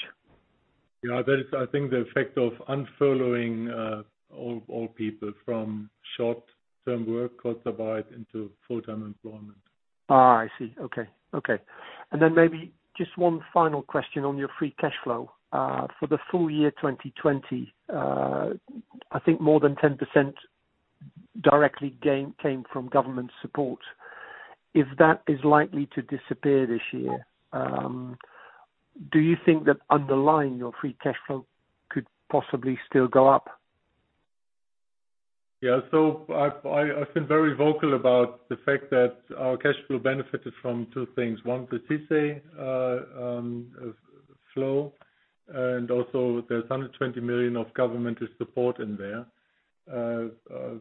[SPEAKER 3] Yeah, that is, I think, the effect of unfurloughing all people from short-term work Kurzarbeit into full-time employment.
[SPEAKER 12] I see. Okay. Maybe just one final question on your free cash flow. For the full year 2020, I think more than 10% directly came from government support. If that is likely to disappear this year, do you think that underlying your free cash flow could possibly still go up?
[SPEAKER 3] I've been very vocal about the fact that our cash flow benefited from two things. One, the TESE flow, and also there's 120 million of governmental support in there,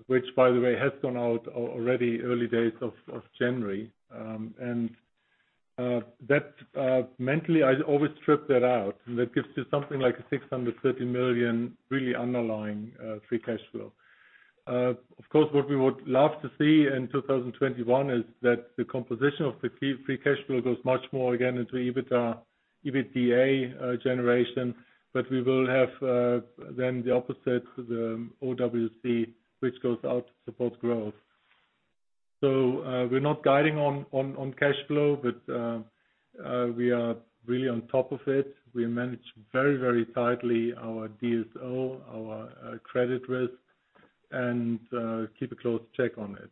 [SPEAKER 3] which by the way, has gone out already early days of January. Mentally, I always strip that out, and that gives you something like 630 million really underlying free cash flow. Of course, what we would love to see in 2021 is that the composition of the free cash flow goes much more again into EBITDA generation. We will have then the opposite, the OWC, which goes out to support growth. We're not guiding on cash flow, but we are really on top of it. We manage very tightly our DSO, our credit risk, and keep a close check on it.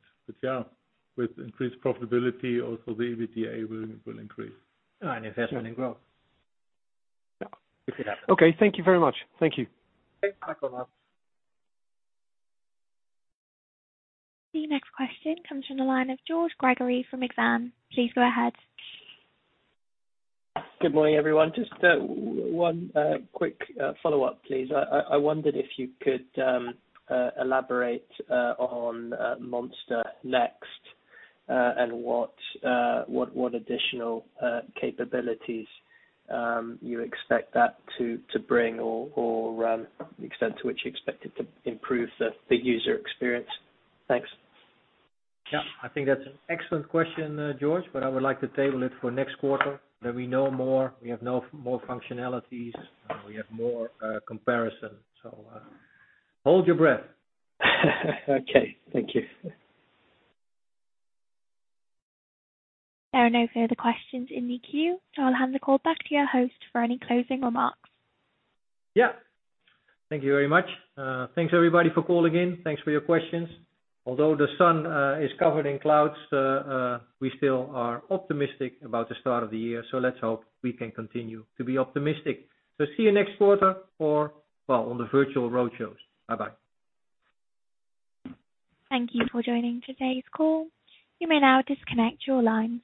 [SPEAKER 3] With increased profitability, also the EBITDA will increase.
[SPEAKER 2] Investment in growth.
[SPEAKER 3] Yeah.
[SPEAKER 2] It could happen.
[SPEAKER 12] Okay. Thank you very much. Thank you.
[SPEAKER 2] Thanks. Bye for now.
[SPEAKER 1] The next question comes from the line of George Gregory from Exane. Please go ahead.
[SPEAKER 13] Good morning, everyone. Just one quick follow-up, please. I wondered if you could elaborate on Monster Next, and what additional capabilities you expect that to bring or the extent to which you expect it to improve the user experience. Thanks.
[SPEAKER 2] I think that's an excellent question, George, but I would like to table it for next quarter when we know more, we have more functionalities, we have more comparison. Hold your breath.
[SPEAKER 13] Okay. Thank you.
[SPEAKER 1] There are no further questions in the queue. I'll hand the call back to your host for any closing remarks.
[SPEAKER 2] Yeah. Thank you very much. Thanks everybody for calling in. Thanks for your questions. Although the sun is covered in clouds, we still are optimistic about the start of the year. Let's hope we can continue to be optimistic. See you next quarter or on the virtual roadshows. Bye-bye.
[SPEAKER 1] Thank you for joining today's call. You may now disconnect your lines.